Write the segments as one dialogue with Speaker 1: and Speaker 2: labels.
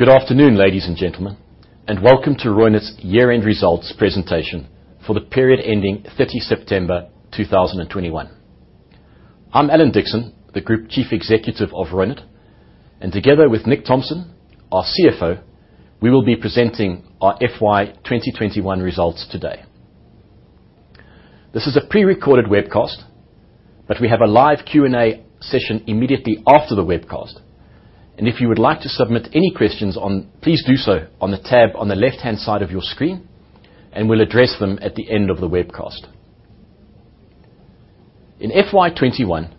Speaker 1: Good afternoon, ladies and gentlemen, and welcome to Reunert's year-end results presentation for the period ending 30 September 2021. I'm Alan Dickson, the Group Chief Executive of Reunert, and together with Nick Thomson, our CFO, we will be presenting our FY 2021 results today. This is a pre-recorded webcast, but we have a live Q&A session immediately after the webcast. If you would like to submit any questions online, please do so on the tab on the left-hand side of your screen, and we'll address them at the end of the webcast. In FY 2021,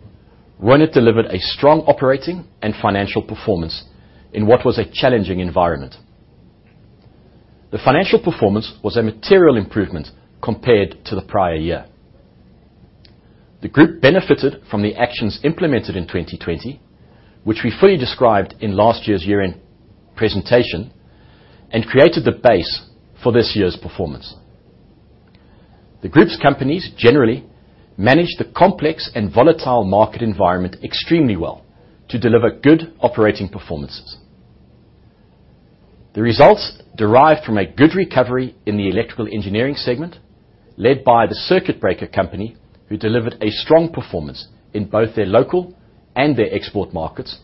Speaker 1: Reunert delivered a strong operating and financial performance in what was a challenging environment. The financial performance was a material improvement compared to the prior year. The group benefited from the actions implemented in 2020, which we fully described in last year's year-end presentation, and created the base for this year's performance. The group's companies generally managed the complex and volatile market environment extremely well to deliver good operating performances. The results derived from a good recovery in the electrical engineering segment, led by the circuit breaker company, who delivered a strong performance in both their local and their export markets,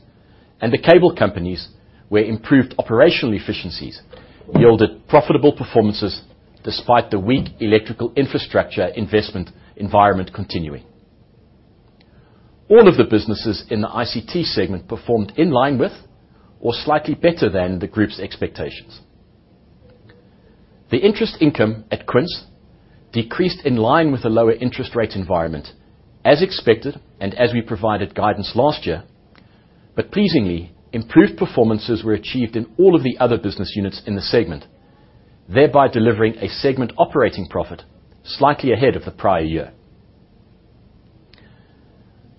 Speaker 1: and the cable companies, where improved operational efficiencies yielded profitable performances despite the weak electrical infrastructure investment environment continuing. All of the businesses in the ICT segment performed in line with or slightly better than the group's expectations. The interest income at Quince decreased in line with the lower interest rate environment, as expected and as we provided guidance last year. Pleasingly, improved performances were achieved in all of the other business units in the segment, thereby delivering a segment operating profit slightly ahead of the prior year.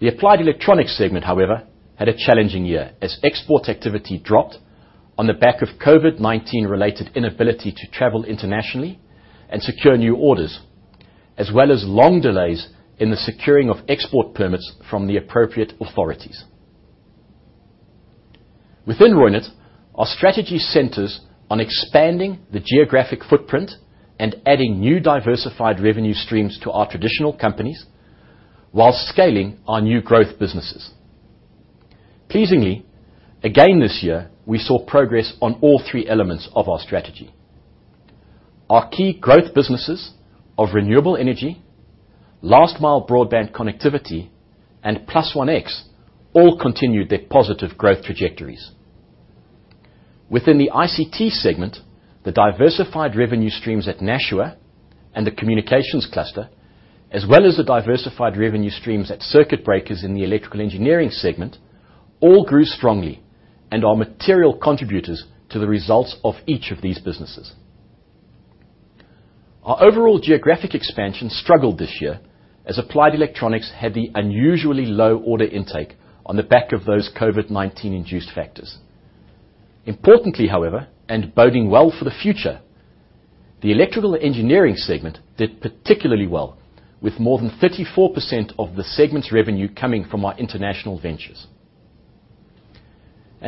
Speaker 1: The Applied Electronics segment, however, had a challenging year as export activity dropped on the back of COVID-19 related inability to travel internationally and secure new orders, as well as long delays in the securing of export permits from the appropriate authorities. Within Reunert, our strategy centers on expanding the geographic footprint and adding new diversified revenue streams to our traditional companies while scaling our new growth businesses. Pleasingly, again, this year, we saw progress on all three elements of our strategy. Our key growth businesses of renewable energy, last-mile broadband connectivity, and +OneX all continued their positive growth trajectories. Within the ICT segment, the diversified revenue streams at Nashua and the communications cluster, as well as the diversified revenue streams at circuit breakers in the electrical engineering segment, all grew strongly and are material contributors to the results of each of these businesses. Our overall geographic expansion struggled this year as applied electronics had the unusually low order intake on the back of those COVID-19 induced factors. Importantly, however, and boding well for the future, the electrical engineering segment did particularly well with more than 34% of the segment's revenue coming from our international ventures.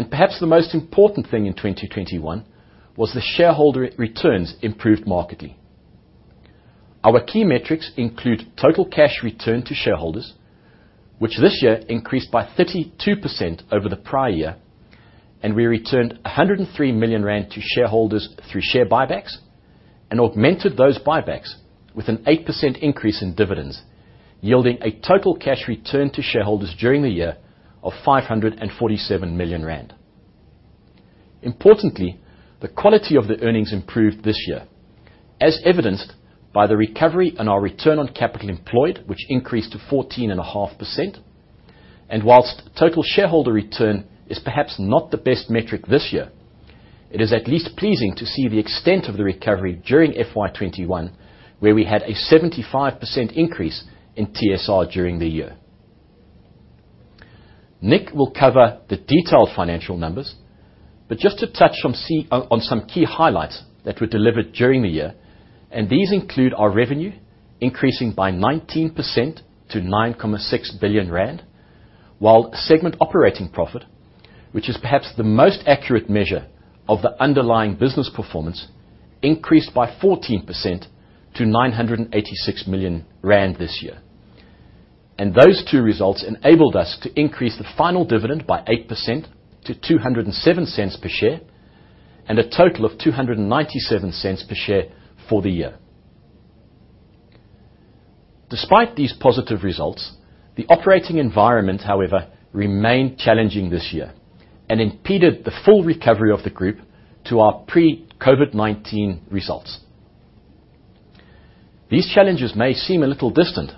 Speaker 1: Perhaps the most important thing in 2021 was the shareholder returns improved markedly. Our key metrics include total cash returned to shareholders, which this year increased by 32% over the prior year. We returned 103 million rand to shareholders through share buybacks and augmented those buybacks with an 8% increase in dividends, yielding a total cash return to shareholders during the year of 547 million rand. Importantly, the quality of the earnings improved this year, as evidenced by the recovery in our return on capital employed, which increased to 14.5%. While total shareholder return is perhaps not the best metric this year, it is at least pleasing to see the extent of the recovery during FY 2021, where we had a 75% increase in TSR during the year. Nick will cover the detailed financial numbers, but just to touch on some key highlights that were delivered during the year. These include our revenue increasing by 19% to 9.6 billion rand, while segment operating profit, which is perhaps the most accurate measure of the underlying business performance, increased by 14% to 986 million rand this year. Those two results enabled us to increase the final dividend by 8% to 2.07 per share and a total of 2.97 per share for the year. Despite these positive results, the operating environment, however, remained challenging this year and impeded the full recovery of the group to our pre-COVID-19 results. These challenges may seem a little distant,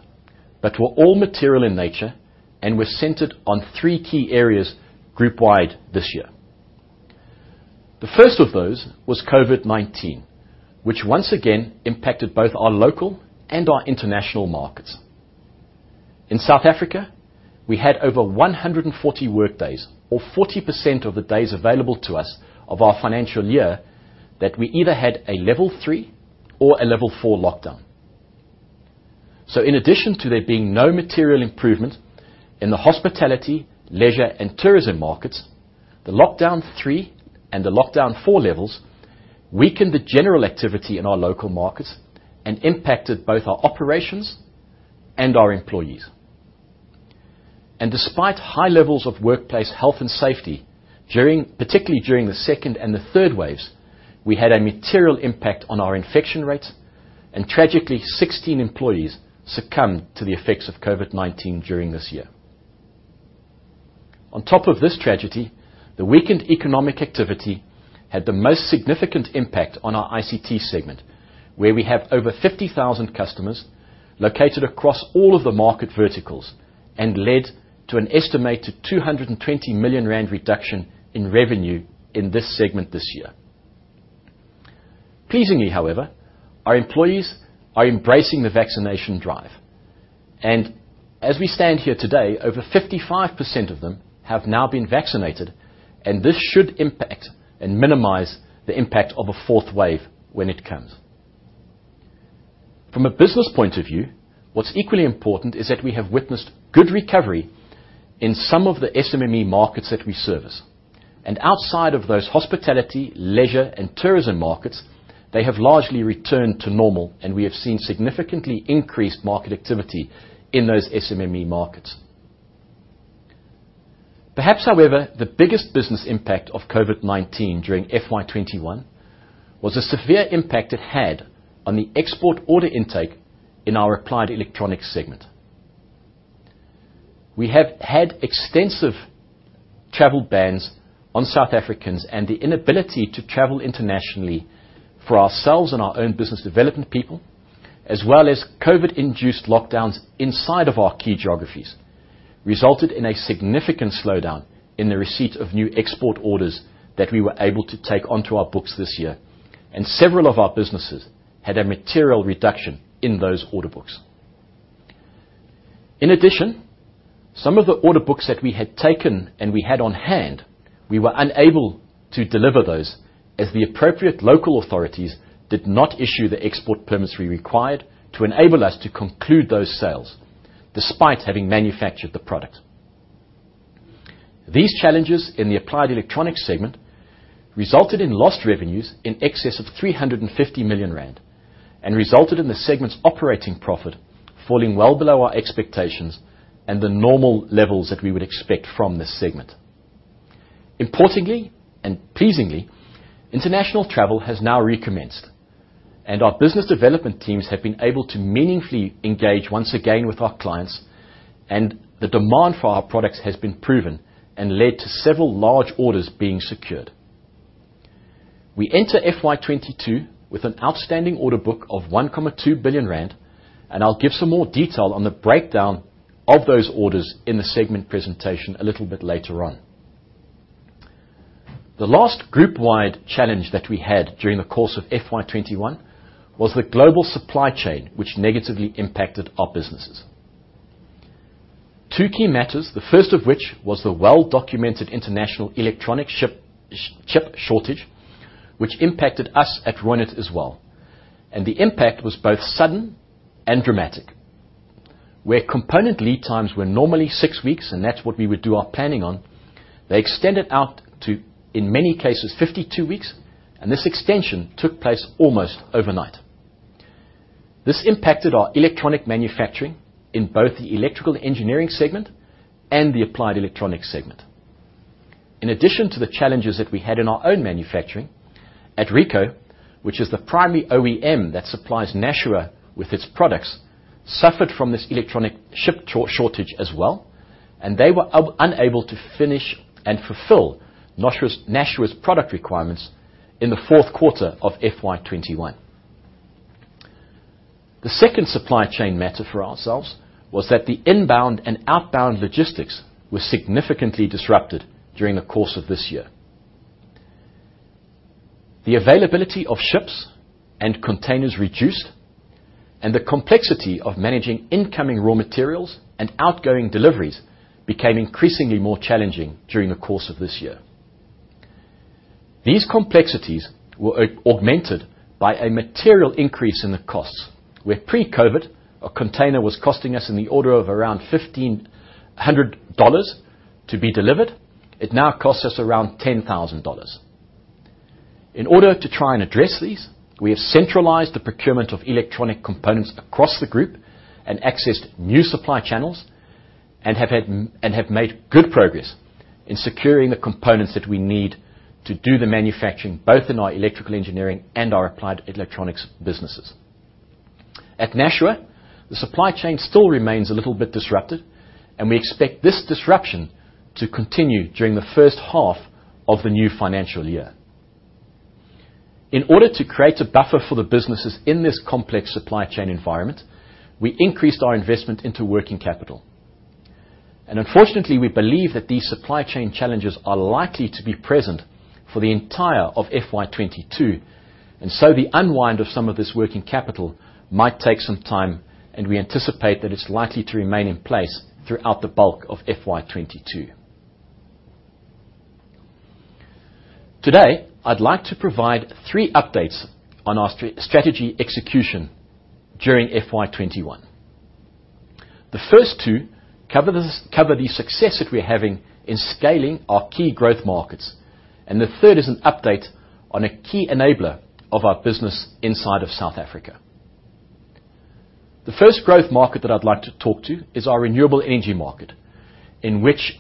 Speaker 1: but were all material in nature and were centered on three key areas group-wide this year. The first of those was COVID-19, which once again impacted both our local and our international markets. In South Africa, we had over 140 work days or 40% of the days available to us of our financial year that we either had a level three or a level four lockdown. In addition to there being no material improvement in the hospitality, leisure, and tourism markets, the lockdown three and the lockdown four levels weakened the general activity in our local markets and impacted both our operations and our employees. Despite high levels of workplace health and safety during, particularly during the second and the third waves, we had a material impact on our infection rates, and tragically 16 employees succumbed to the effects of COVID-19 during this year. On top of this tragedy, the weakened economic activity had the most significant impact on our ICT segment, where we have over 50,000 customers located across all of the market verticals and led to an estimated 220 million rand reduction in revenue in this segment this year. Pleasingly, however, our employees are embracing the vaccination drive. As we stand here today, over 55% of them have now been vaccinated, and this should impact and minimize the impact of a fourth wave when it comes. From a business point of view, what's equally important is that we have witnessed good recovery in some of the SMME markets that we service. Outside of those hospitality, leisure, and tourism markets, they have largely returned to normal, and we have seen significantly increased market activity in those SMME markets. Perhaps, however, the biggest business impact of COVID-19 during FY 2021 was the severe impact it had on the export order intake in our Applied Electronics segment. We have had extensive travel bans on South Africans and the inability to travel internationally for ourselves and our own business development people, as well as COVID-induced lockdowns inside of our key geographies, resulted in a significant slowdown in the receipt of new export orders that we were able to take onto our books this year. Several of our businesses had a material reduction in those order books. In addition, some of the order books that we had taken and we had on hand, we were unable to deliver those as the appropriate local authorities did not issue the export permits we required to enable us to conclude those sales despite having manufactured the product. These challenges in the Applied Electronics segment resulted in lost revenues in excess of 350 million rand and resulted in the segment's operating profit falling well below our expectations and the normal levels that we would expect from this segment. Importantly and pleasingly, international travel has now recommenced, and our business development teams have been able to meaningfully engage once again with our clients, and the demand for our products has been proven and led to several large orders being secured. We enter FY 2022 with an outstanding order book of 1.2 billion rand, and I'll give some more detail on the breakdown of those orders in the segment presentation a little bit later on. The last group-wide challenge that we had during the course of FY 2021 was the global supply chain, which negatively impacted our businesses. Two key matters, the first of which was the well-documented international electronic chip shortage, which impacted us at Reunert as well. The impact was both sudden and dramatic. Where component lead times were normally six weeks, and that's what we would do our planning on, they extended out to, in many cases, 52 weeks, and this extension took place almost overnight. This impacted our electronic manufacturing in both the Electrical Engineering segment and the Applied Electronics segment. In addition to the challenges that we had in our own manufacturing, Ricoh, which is the primary OEM that supplies Nashua with its products, suffered from this electronic chip shortage as well, and they were unable to finish and fulfill Nashua's product requirements in the fourth quarter of FY 2021. The second supply chain matter for ourselves was that the inbound and outbound logistics were significantly disrupted during the course of this year. The availability of ships and containers reduced, and the complexity of managing incoming raw materials and outgoing deliveries became increasingly more challenging during the course of this year. These complexities were augmented by a material increase in the costs. Where pre-COVID, a container was costing us in the order of around $1,500 to be delivered, it now costs us around $10,000. In order to try and address these, we have centralized the procurement of electronic components across the group and accessed new supply channels and have made good progress in securing the components that we need to do the manufacturing, both in our Electrical Engineering and our Applied Electronics businesses. At Nashua, the supply chain still remains a little bit disrupted, and we expect this disruption to continue during the first half of the new financial year. In order to create a buffer for the businesses in this complex supply chain environment, we increased our investment into working capital. Unfortunately, we believe that these supply chain challenges are likely to be present for the entire of FY 2022, and so the unwind of some of this working capital might take some time, and we anticipate that it's likely to remain in place throughout the bulk of FY 2022. Today, I'd like to provide three updates on our strategy execution during FY 2021. The first two cover the success that we're having in scaling our key growth markets, and the third is an update on a key enabler of our business inside of South Africa. The first growth market that I'd like to talk about is our renewable energy market, in which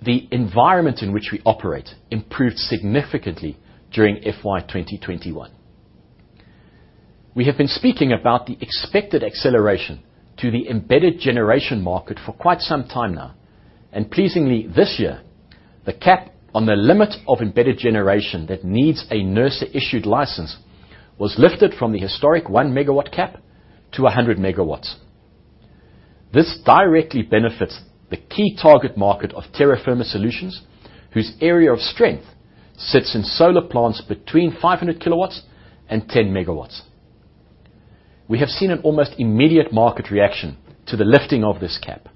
Speaker 1: the environment in which we operate improved significantly during FY 2021. We have been speaking about the expected acceleration to the embedded generation market for quite some time now, and pleasingly this year, the cap on the limit of embedded generation that needs a NERSA-issued license was lifted from the historic 1 MW cap to 100 MW. This directly benefits the key target market of Terra Firma Solutions, whose area of strength sits in solar plants between 500 KW and 10 MW. We have seen an almost immediate market reaction to the lifting of this cap,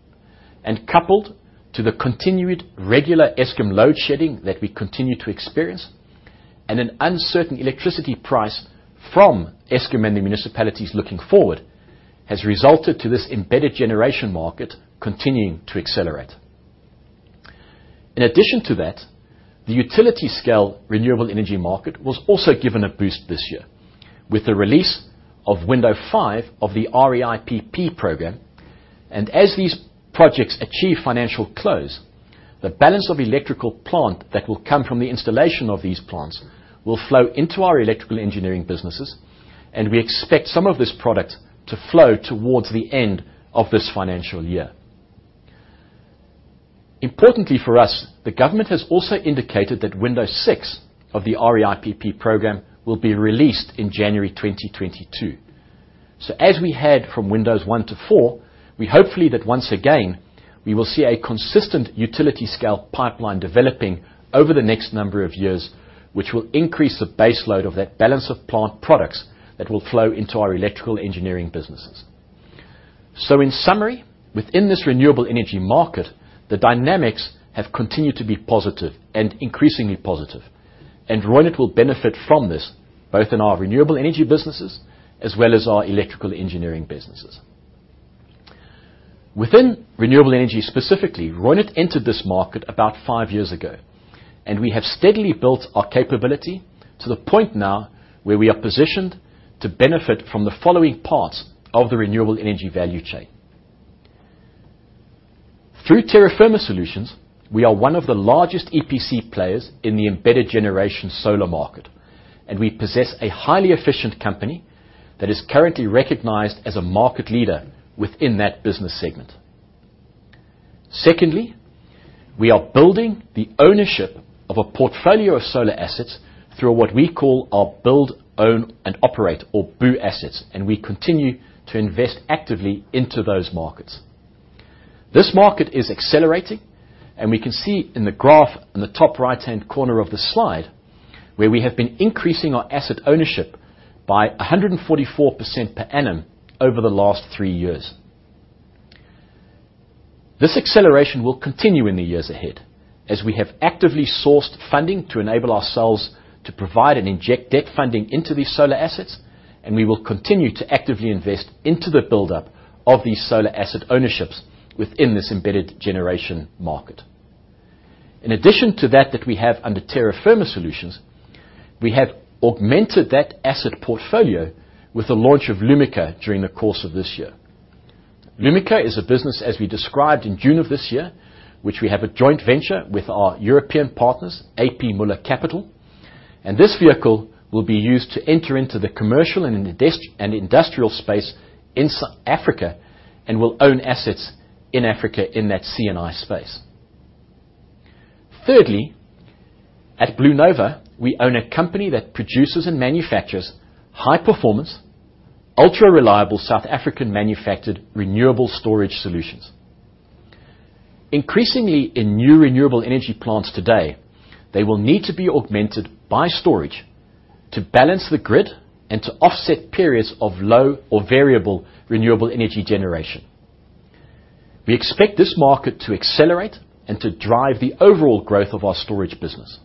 Speaker 1: and coupled to the continued regular Eskom load-shedding that we continue to experience and an uncertain electricity price from Eskom and the municipalities looking forward, has resulted to this embedded generation market continuing to accelerate. In addition to that, the utility scale renewable energy market was also given a boost this year with the release of Bid Window 5 of the REIPPP Program. As these projects achieve financial close, the balance of plant that will come from the installation of these plants will flow into our electrical engineering businesses, and we expect some of this product to flow towards the end of this financial year. Importantly for us, the government has also indicated that Bid Window 6 of the REIPPP Program will be released in January 2022. As we had from Bid Windows 1 to 4, we hope that once again, we will see a consistent utility scale pipeline developing over the next number of years, which will increase the base load of that balance of plant products that will flow into our electrical engineering businesses. In summary, within this renewable energy market, the dynamics have continued to be positive and increasingly positive, and Reunert will benefit from this, both in our renewable energy businesses as well as our electrical engineering businesses. Within renewable energy, specifically, Reunert entered this market about five years ago, and we have steadily built our capability to the point now where we are positioned to benefit from the following parts of the renewable energy value chain. Through Terra Firma Solutions, we are one of the largest EPC players in the embedded generation solar market, and we possess a highly efficient company that is currently recognized as a market leader within that business segment. Secondly, we are building the ownership of a portfolio of solar assets through what we call our build, own, and operate or BOO assets, and we continue to invest actively into those markets. This market is accelerating, and we can see in the graph in the top right-hand corner of the slide where we have been increasing our asset ownership by 144% per annum over the last three years. This acceleration will continue in the years ahead as we have actively sourced funding to enable ourselves to provide and inject debt funding into these solar assets, and we will continue to actively invest into the buildup of these solar asset ownerships within this embedded generation market. In addition to that we have under Terra Firma Solutions, we have augmented that asset portfolio with the launch of Lumika during the course of this year. Lumika is a business, as we described in June of this year, which we have a joint venture with our European partners, A.P. Møller Capital, and this vehicle will be used to enter into the commercial and industrial space in South Africa and will own assets in Africa in that C&I space. Thirdly, at BlueNova, we own a company that produces and manufactures high performance, ultra-reliable South African manufactured renewable storage solutions. Increasingly in new renewable energy plants today, they will need to be augmented by storage to balance the grid and to offset periods of low or variable renewable energy generation. We expect this market to accelerate and to drive the overall growth of our storage business.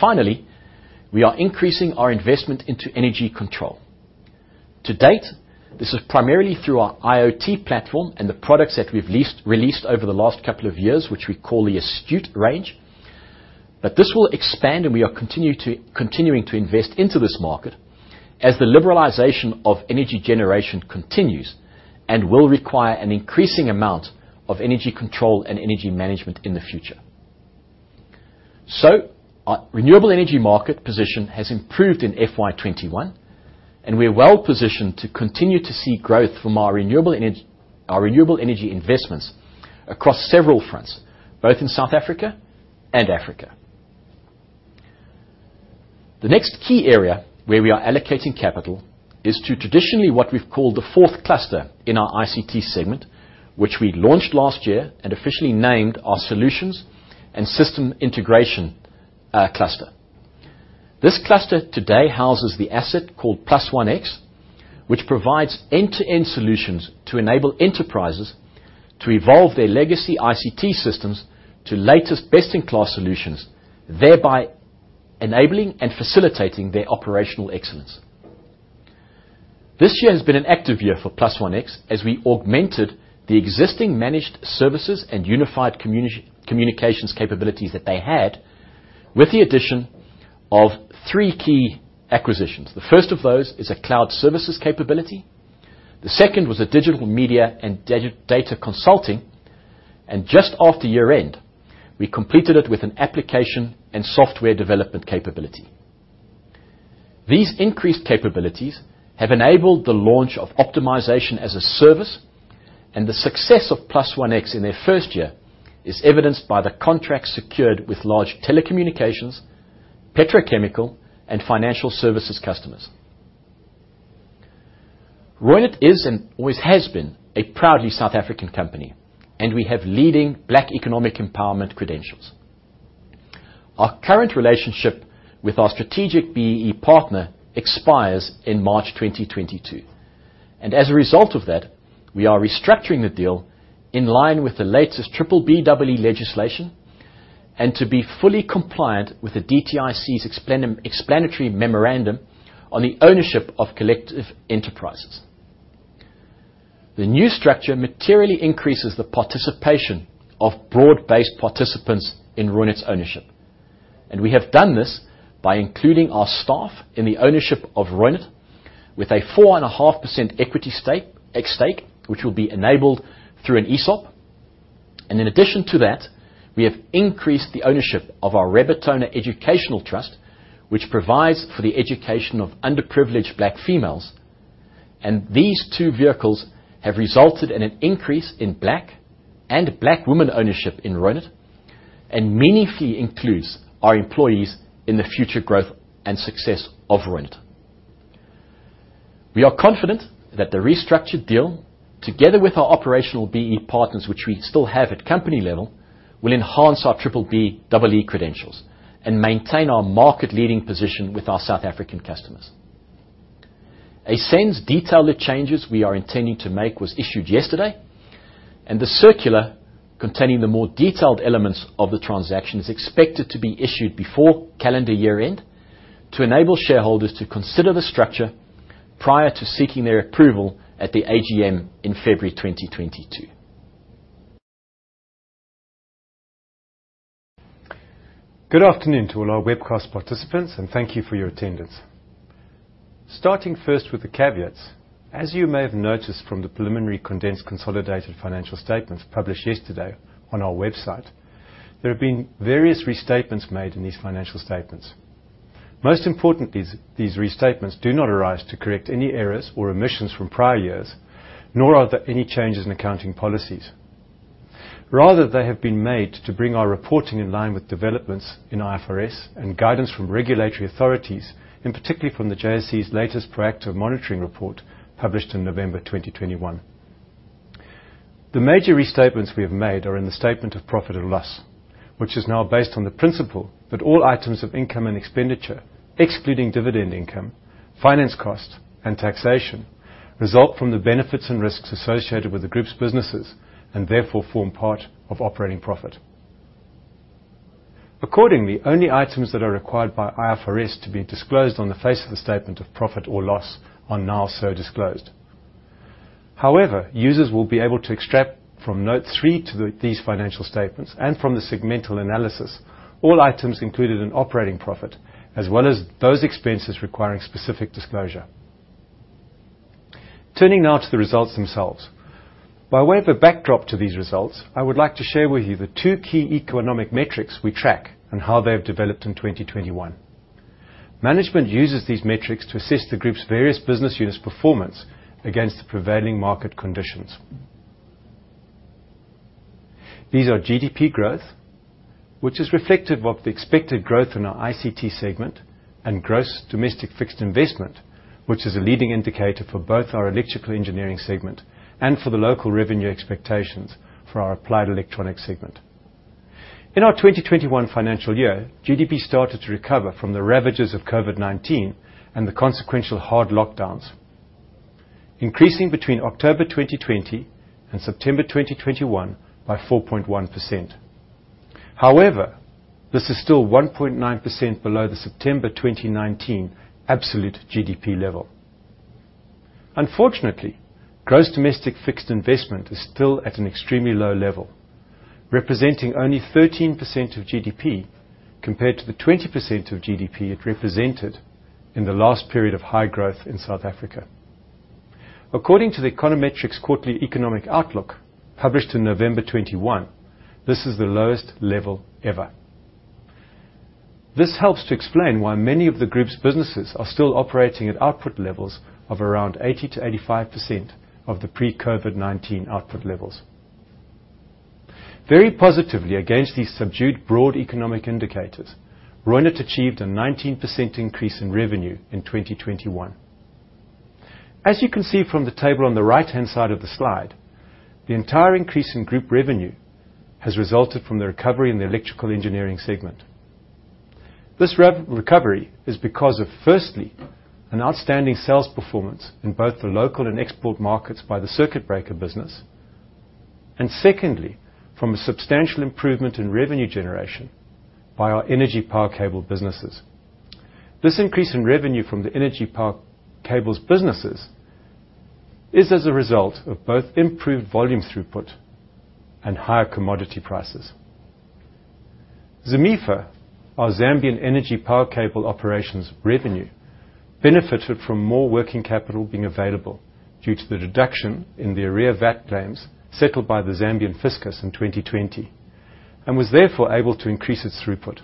Speaker 1: Finally, we are increasing our investment into energy control. To date, this is primarily through our IoT platform and the products that we've released over the last couple of years, which we call the Astute range. This will expand, and we are continuing to invest into this market as the liberalization of energy generation continues and will require an increasing amount of energy control and energy management in the future. Our renewable energy market position has improved in FY 2021, and we are well-positioned to continue to see growth from our renewable energy investments across several fronts, both in South Africa and Africa. The next key area where we are allocating capital is to traditionally what we've called the fourth cluster in our ICT segment, which we launched last year and officially named our solutions and system integration cluster. This cluster today houses the asset called +OneX, which provides end-to-end solutions to enable enterprises to evolve their legacy ICT systems to latest best-in-class solutions, thereby enabling and facilitating their operational excellence. This year has been an active year for +OneX as we augmented the existing managed services and unified communications capabilities that they had with the addition of three key acquisitions. The first of those is a cloud services capability. The second was a digital media and data consulting. Just after year-end, we completed it with an application and software development capability. These increased capabilities have enabled the launch of optimization as a service, and the success of +OneX in their first year is evidenced by the contracts secured with large telecommunications, petrochemical, and financial services customers. Reunert is and always has been a proudly South African company, and we have leading black economic empowerment credentials. Our current relationship with our strategic BEE partner expires in March 2022, and as a result of that, we are restructuring the deal in line with the latest BBBEE legislation and to be fully compliant with the DTIC's explanatory memorandum on the ownership of collective enterprises. The new structure materially increases the participation of broad-based participants in Reunert's ownership, and we have done this by including our staff in the ownership of Reunert with a 4.5% equity stake, which will be enabled through an ESOP. In addition to that, we have increased the ownership of our Rebatona Educational Trust, which provides for the education of underprivileged black females. These two vehicles have resulted in an increase in black and black woman ownership in Reunert and meaningfully includes our employees in the future growth and success of Reunert. We are confident that the restructured deal, together with our operational BEE partners, which we still have at company level, will enhance our BBBEE credentials and maintain our market-leading position with our South African customers. A SENS detailing the changes we are intending to make was issued yesterday, and the circular containing the more detailed elements of the transaction is expected to be issued before calendar year-end to enable shareholders to consider the structure prior to seeking their approval at the AGM in February 2022.
Speaker 2: Good afternoon to all our webcast participants, and thank you for your attendance. Starting first with the caveats, as you may have noticed from the preliminary condensed consolidated financial statements published yesterday on our website, there have been various restatements made in these financial statements. Most important is these restatements do not arise to correct any errors or omissions from prior years, nor are there any changes in accounting policies. Rather, they have been made to bring our reporting in line with developments in IFRS and guidance from regulatory authorities, and particularly from the JSE's latest proactive monitoring report published in November 2021. The major restatements we have made are in the statement of profit or loss, which is now based on the principle that all items of income and expenditure, excluding dividend income, finance cost, and taxation, result from the benefits and risks associated with the group's businesses and therefore form part of operating profit. Accordingly, only items that are required by IFRS to be disclosed on the face of the statement of profit or loss are now so disclosed. However, users will be able to extract from note three to these financial statements and from the segmental analysis, all items included in operating profit, as well as those expenses requiring specific disclosure. Turning now to the results themselves. By way of a backdrop to these results, I would like to share with you the two key economic metrics we track and how they have developed in 2021. Management uses these metrics to assess the group's various business units' performance against the prevailing market conditions. These are GDP growth, which is reflective of the expected growth in our ICT segment, and gross domestic fixed investment, which is a leading indicator for both our electrical engineering segment and for the local revenue expectations for our applied electronics segment. In our 2021 financial year, GDP started to recover from the ravages of COVID-19 and the consequential hard lockdowns, increasing between October 2020 and September 2021 by 4.1%. However, this is still 1.9% below the September 2019 absolute GDP level. Unfortunately, gross domestic fixed investment is still at an extremely low level, representing only 13% of GDP compared to the 20% of GDP it represented in the last period of high growth in South Africa. According to the Econometrix Quarterly Economic Outlook, published in November 2021, this is the lowest level ever. This helps to explain why many of the group's businesses are still operating at output levels of around 80%-85% of the pre-COVID-19 output levels. Very positively against these subdued broad economic indicators, Reunert achieved a 19% increase in revenue in 2021. As you can see from the table on the right-hand side of the slide, the entire increase in group revenue has resulted from the recovery in the electrical engineering segment. This recovery is because of, firstly, an outstanding sales performance in both the local and export markets by the circuit breaker business, and secondly, from a substantial improvement in revenue generation by our energy power cable businesses. This increase in revenue from the energy power cables businesses is as a result of both improved volume throughput and higher commodity prices. ZAMEFA, our Zambian energy power cable operations revenue, benefited from more working capital being available due to the reduction in the arrear VAT claims settled by the Zambian fiscus in 2020, and was therefore able to increase its throughput.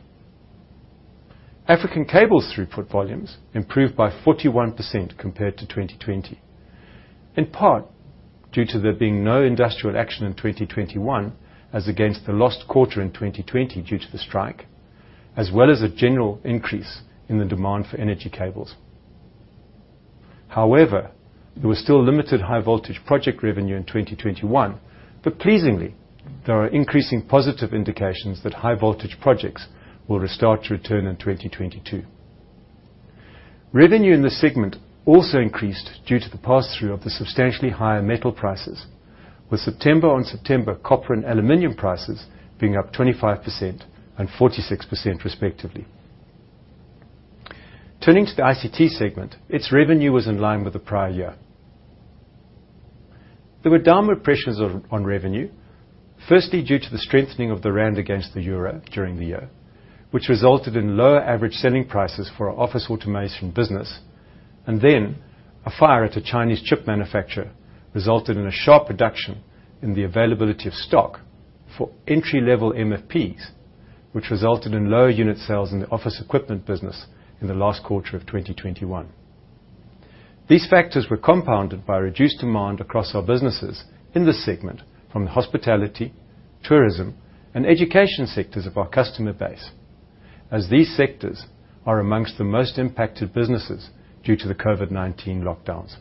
Speaker 2: African Cables throughput volumes improved by 41% compared to 2020, in part due to there being no industrial action in 2021, as against the lost quarter in 2020 due to the strike, as well as a general increase in the demand for energy cables. However, there was still limited high voltage project revenue in 2021, but pleasingly, there are increasing positive indications that high voltage projects will start to return in 2022. Revenue in this segment also increased due to the pass-through of the substantially higher metal prices, with September on September, copper and aluminum prices being up 25% and 46% respectively. Turning to the ICT segment, its revenue was in line with the prior year. There were downward pressures on revenue, firstly due to the strengthening of the rand against the euro during the year, which resulted in lower average selling prices for our office automation business, and then a fire at a Chinese chip manufacturer resulted in a sharp reduction in the availability of stock for entry-level MFPs, which resulted in lower unit sales in the office equipment business in the last quarter of 2021. These factors were compounded by reduced demand across our businesses in this segment from the hospitality, tourism, and education sectors of our customer base, as these sectors are among the most impacted businesses due to the COVID-19 lockdowns.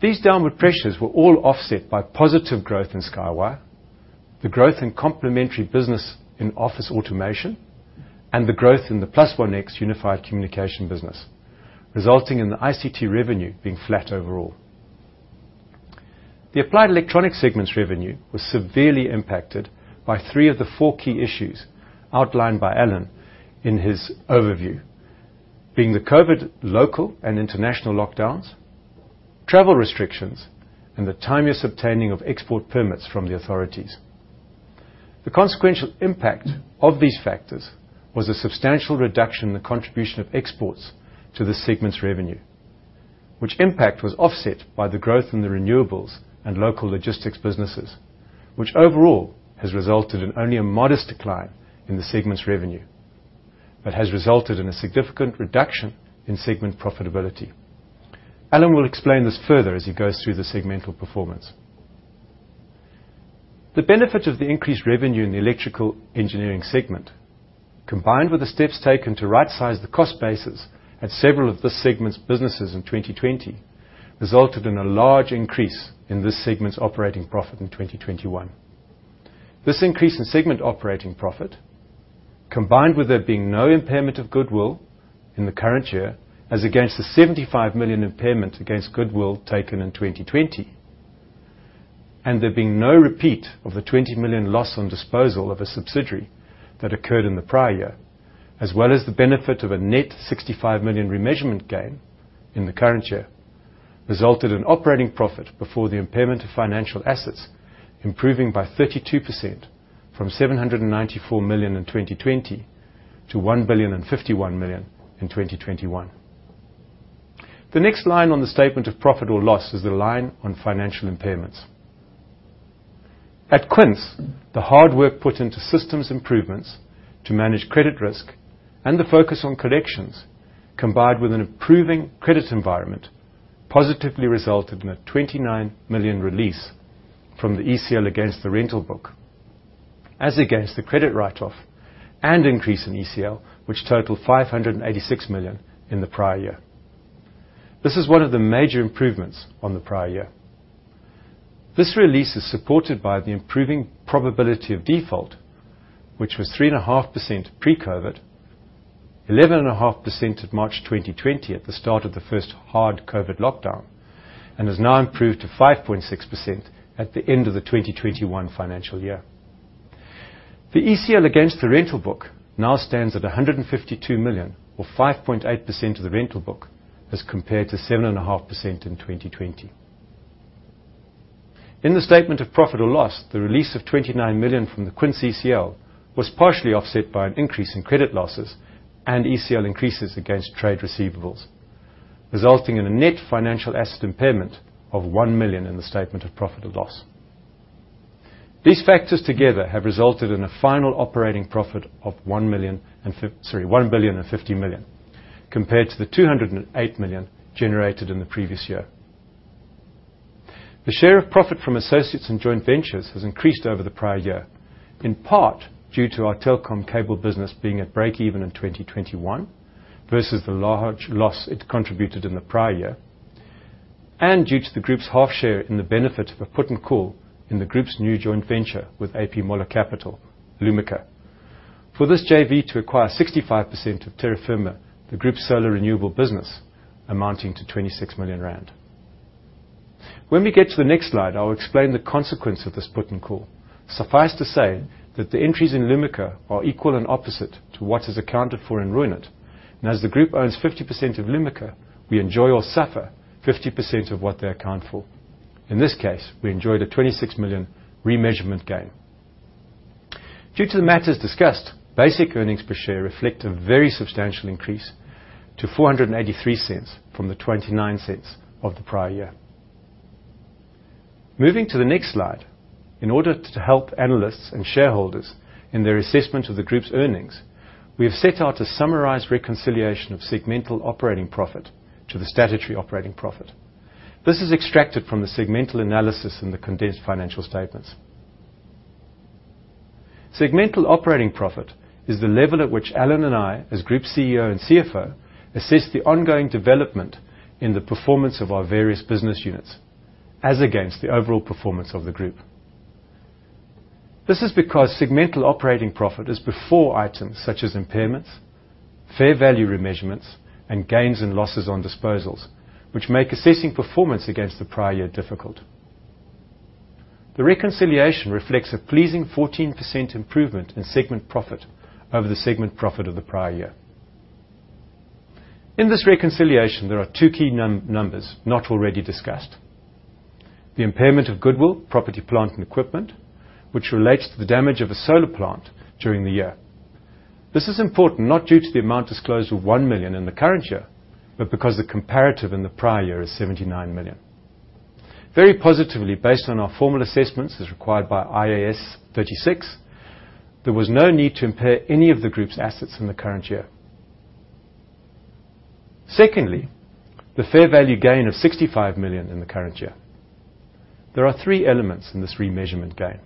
Speaker 2: These downward pressures were all offset by positive growth in SkyWire, the growth in complementary business in office automation, and the growth in the +OneX unified communication business, resulting in the ICT revenue being flat overall. The applied electronics segment's revenue was severely impacted by three of the four key issues outlined by Alan in his overview, being the COVID local and international lockdowns, travel restrictions, and the timeous obtaining of export permits from the authorities. The consequential impact of these factors was a substantial reduction in the contribution of exports to the segment's revenue, which impact was offset by the growth in the renewables and local logistics businesses, which overall has resulted in only a modest decline in the segment's revenue, but has resulted in a significant reduction in segment profitability. Alan will explain this further as he goes through the segmental performance. The benefit of the increased revenue in the electrical engineering segment, combined with the steps taken to rightsize the cost basis at several of this segment's businesses in 2020, resulted in a large increase in this segment's operating profit in 2021. This increase in segment operating profit, combined with there being no impairment of goodwill in the current year as against the 75 million impairment against goodwill taken in 2020, and there being no repeat of the 20 million loss on disposal of a subsidiary that occurred in the prior year, as well as the benefit of a net 65 million remeasurement gain in the current year, resulted in operating profit before the impairment of financial assets improving by 32% from 794 million in 2020 to 1,051 million in 2021. The next line on the statement of profit or loss is the line on financial impairments. At Quince, the hard work put into systems improvements to manage credit risk and the focus on collections, combined with an improving credit environment, positively resulted in a 29 million release from the ECL against the rental book, as against the credit write-off and increase in ECL, which totaled 586 million in the prior year. This is one of the major improvements on the prior year. This release is supported by the improving probability of default, which was 3.5% pre-COVID, 11.5% at March 2020 at the start of the first hard COVID lockdown, and has now improved to 5.6% at the end of the 2021 financial year. The ECL against the rental book now stands at 152 million or 5.8% of the rental book as compared to 7.5% in 2020. In the statement of profit or loss, the release of 29 million from the Quince ECL was partially offset by an increase in credit losses and ECL increases against trade receivables, resulting in a net financial asset impairment of 1 million in the statement of profit or loss. These factors together have resulted in a final operating profit of 1.05 billion, compared to 208 million generated in the previous year. The share of profit from associates and joint ventures has increased over the prior year, in part due to our telecom cable business being at breakeven in 2021 versus the large loss it contributed in the prior year, and due to the group's half share in the benefit of a put and call in the group's new joint venture with A.P. Møller Capital, Lumika. For this JV to acquire 65% of Terra Firma, the group's solar renewable business amounting to 26 million rand. When we get to the next slide, I will explain the consequence of this put and call. Suffice to say that the entries in Lumika are equal and opposite to what is accounted for in Reunert. As the group owns 50% of Lumika, we enjoy or suffer 50% of what they account for. In this case, we enjoyed a 26 million remeasurement gain. Due to the matters discussed, basic earnings per share reflect a very substantial increase to 4.83 from 0.29 of the prior year. Moving to the next slide. In order to help analysts and shareholders in their assessment of the group's earnings, we have set out to summarize reconciliation of segmental operating profit to the statutory operating profit. This is extracted from the segmental analysis in the condensed financial statements. Segmental operating profit is the level at which Alan and I, as Group CEO and CFO, assess the ongoing development in the performance of our various business units as against the overall performance of the group. This is because segmental operating profit is before items such as impairments, fair value remeasurements, and gains and losses on disposals which make assessing performance against the prior year difficult. The reconciliation reflects a pleasing 14% improvement in segment profit over the segment profit of the prior year. In this reconciliation, there are two key numbers not already discussed. The impairment of goodwill, property, plant, and equipment, which relates to the damage of a solar plant during the year. This is important not due to the amount disclosed of 1 million in the current year, but because the comparative in the prior year is 79 million. Very positively, based on our formal assessments, as required by IAS 36, there was no need to impair any of the group's assets in the current year. Secondly, the fair value gain of 65 million in the current year. There are three elements in this remeasurement gain.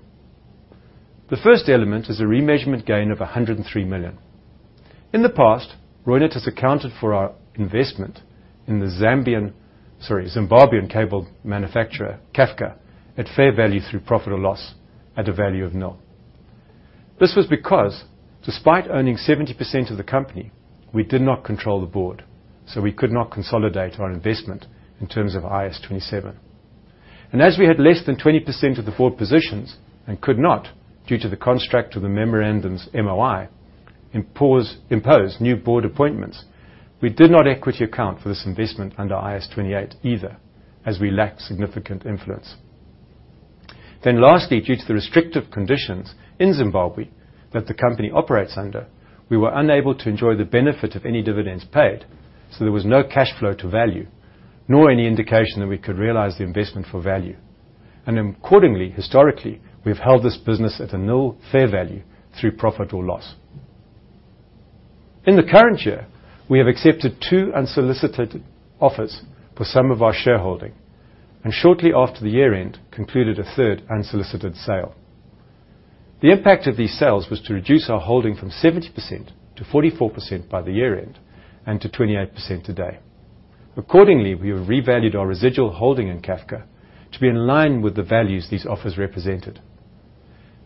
Speaker 2: The first element is a remeasurement gain of 103 million. In the past, Reunert has accounted for our investment in the Zimbabwean cable manufacturer, CAFCA, at fair value through profit or loss at a value of nil. This was because despite owning 70% of the company, we did not control the board, so we could not consolidate our investment in terms of IAS 27. As we had less than 20% of the board positions and could not, due to the construct of the memorandums, MOI, impose new board appointments, we did not equity account for this investment under IAS 28 either, as we lacked significant influence. Lastly, due to the restrictive conditions in Zimbabwe that the company operates under, we were unable to enjoy the benefit of any dividends paid, so there was no cash flow to value, nor any indication that we could realize the investment for value. Accordingly, historically, we've held this business at a nil fair value through profit or loss. In the current year, we have accepted two unsolicited offers for some of our shareholding and shortly after the year-end, concluded a third unsolicited sale. The impact of these sales was to reduce our holding from 70%-44% by the year-end and to 28% today. Accordingly, we have revalued our residual holding in CAFCA to be in line with the values these offers represented.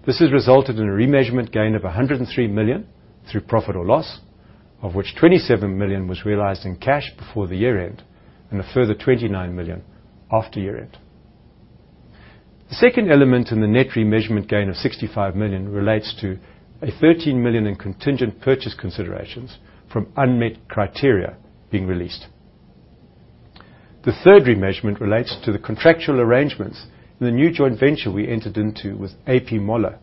Speaker 2: This has resulted in a remeasurement gain of 103 million through profit or loss, of which 27 million was realized in cash before the year-end and a further 29 million after year-end. The second element in the net remeasurement gain of 65 million relates to 13 million in contingent purchase considerations from unmet criteria being released. The third remeasurement relates to the contractual arrangements in the new joint venture we entered into with A.P. Møller.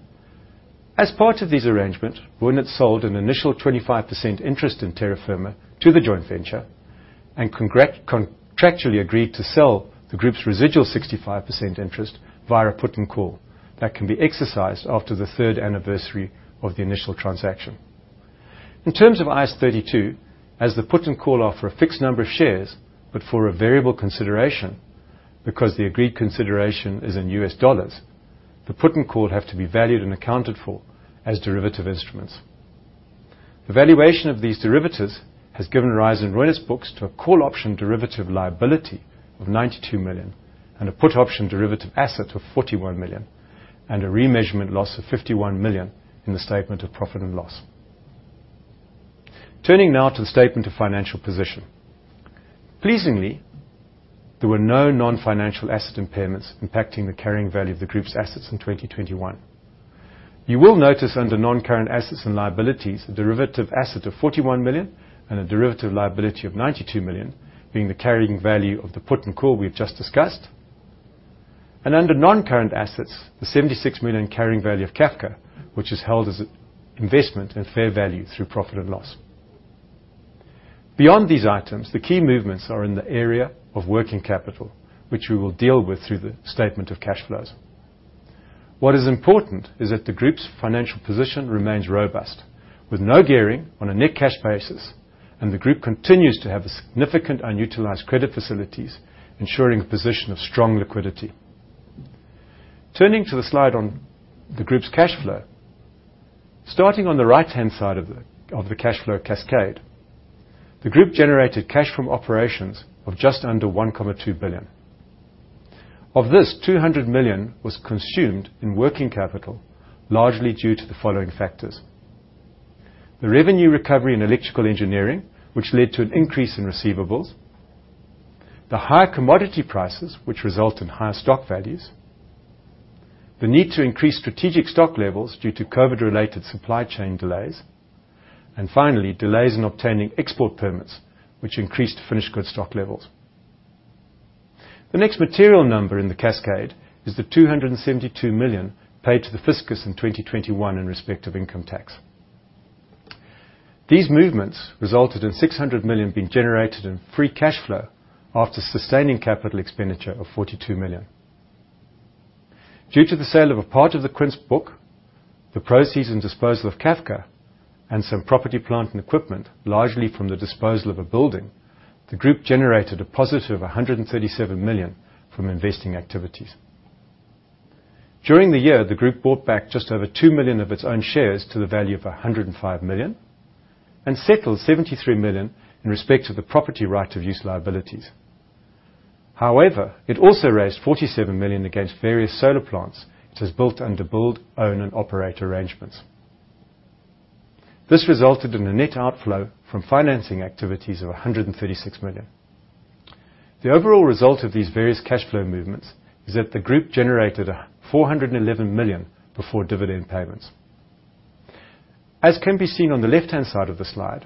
Speaker 2: As part of this arrangement, Reunert sold an initial 25% interest in Terra Firma Solutions to the joint venture and contractually agreed to sell the group's residual 65% interest via a put and call that can be exercised after the third anniversary of the initial transaction. In terms of IAS 32, as the put and call offer a fixed number of shares, but for a variable consideration, because the agreed consideration is in U.S. dollars, the put and call have to be valued and accounted for as derivative instruments. The valuation of these derivatives has given rise in Reunert's books to a call option derivative liability of 92 million and a put option derivative asset of 41 million and a remeasurement loss of 51 million in the statement of profit and loss. Turning now to the statement of financial position. Pleasingly, there were no non-financial asset impairments impacting the carrying value of the group's assets in 2021. You will notice under non-current assets and liabilities, a derivative asset of 41 million and a derivative liability of 92 million being the carrying value of the put and call we've just discussed. Under non-current assets, the 76 million carrying value of CAFCA, which is held as investment at fair value through profit and loss. Beyond these items, the key movements are in the area of working capital, which we will deal with through the statement of cash flows. What is important is that the group's financial position remains robust, with no gearing on a net cash basis, and the group continues to have significant unutilized credit facilities, ensuring a position of strong liquidity. Turning to the slide on the group's cash flow. Starting on the right-hand side of the cash flow cascade, the group generated cash from operations of just under 1.2 billion. Of this, 200 million was consumed in working capital, largely due to the following factors. The revenue recovery in electrical engineering, which led to an increase in receivables, the higher commodity prices, which result in higher stock values, the need to increase strategic stock levels due to COVID-related supply chain delays, and finally, delays in obtaining export permits, which increased finished goods stock levels. The next material number in the cascade is the 272 million paid to the fiscus in 2021 in respect of income tax. These movements resulted in 600 million being generated in free cash flow after sustaining capital expenditure of 42 million. Due to the sale of a part of the Quince book, the proceeds and disposal of CAFCA, and some property, plant, and equipment, largely from the disposal of a building, the group generated a positive 137 million from investing activities. During the year, the group bought back just over 2 million of its own shares to the value of 105 million and settled 73 million in respect to the property right of use liabilities. However, it also raised 47 million against various solar plants it has built under build, own, and operate arrangements. This resulted in a net outflow from financing activities of 136 million. The overall result of these various cash flow movements is that the group generated 411 million before dividend payments. As can be seen on the left-hand side of the slide,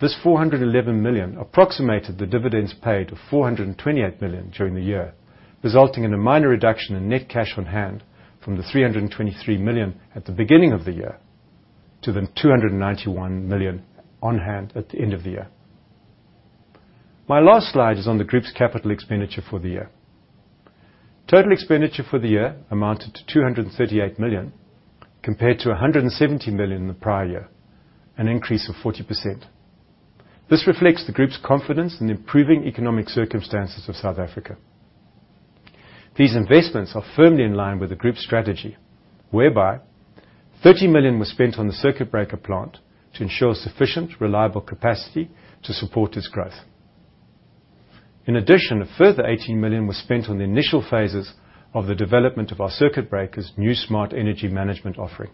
Speaker 2: this 411 million approximated the dividends paid of 428 million during the year, resulting in a minor reduction in net cash on hand from the 323 million at the beginning of the year to the 291 million on hand at the end of the year. My last slide is on the group's capital expenditure for the year. Total expenditure for the year amounted to 238 million, compared to 170 million in the prior year, an increase of 40%. This reflects the group's confidence in improving economic circumstances of South Africa. These investments are firmly in line with the group's strategy, whereby 30 million was spent on the circuit breaker plant to ensure sufficient, reliable capacity to support its growth. In addition, a further 18 million was spent on the initial phases of the development of our circuit breaker's new smart energy management offering.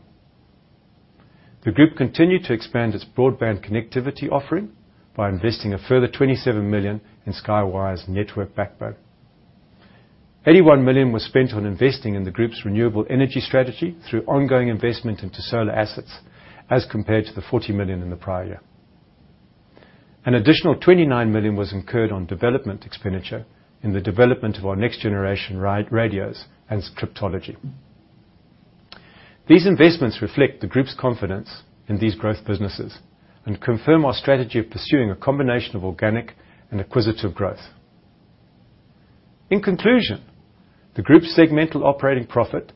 Speaker 2: The group continued to expand its broadband connectivity offering by investing a further 27 million in SkyWire's network backbone. 81 million was spent on investing in the group's renewable energy strategy through ongoing investment into solar assets, as compared to 40 million in the prior year. An additional 29 million was incurred on development expenditure in the development of our next-generation Reutech radios and cryptology. These investments reflect the group's confidence in these growth businesses and confirm our strategy of pursuing a combination of organic and acquisitive growth. In conclusion, the group's segmental operating profit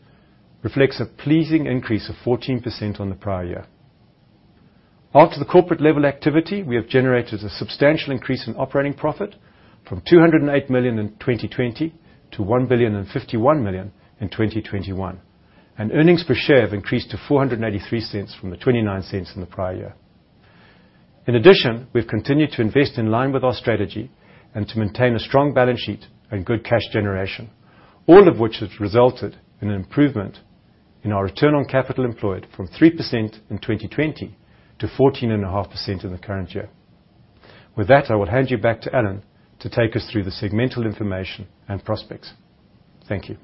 Speaker 2: reflects a pleasing increase of 14% on the prior year. After the corporate level activity, we have generated a substantial increase in operating profit from 208 million in 2020 to 1,051 million in 2021, and earnings per share have increased to 4.83 from 0.29 in the prior year. In addition, we've continued to invest in line with our strategy and to maintain a strong balance sheet and good cash generation, all of which has resulted in an improvement in our return on capital employed from 3% in 2020 to 14.5% in the current year. With that, I will hand you back to Alan to take us through the segmental information and prospects. Thank you.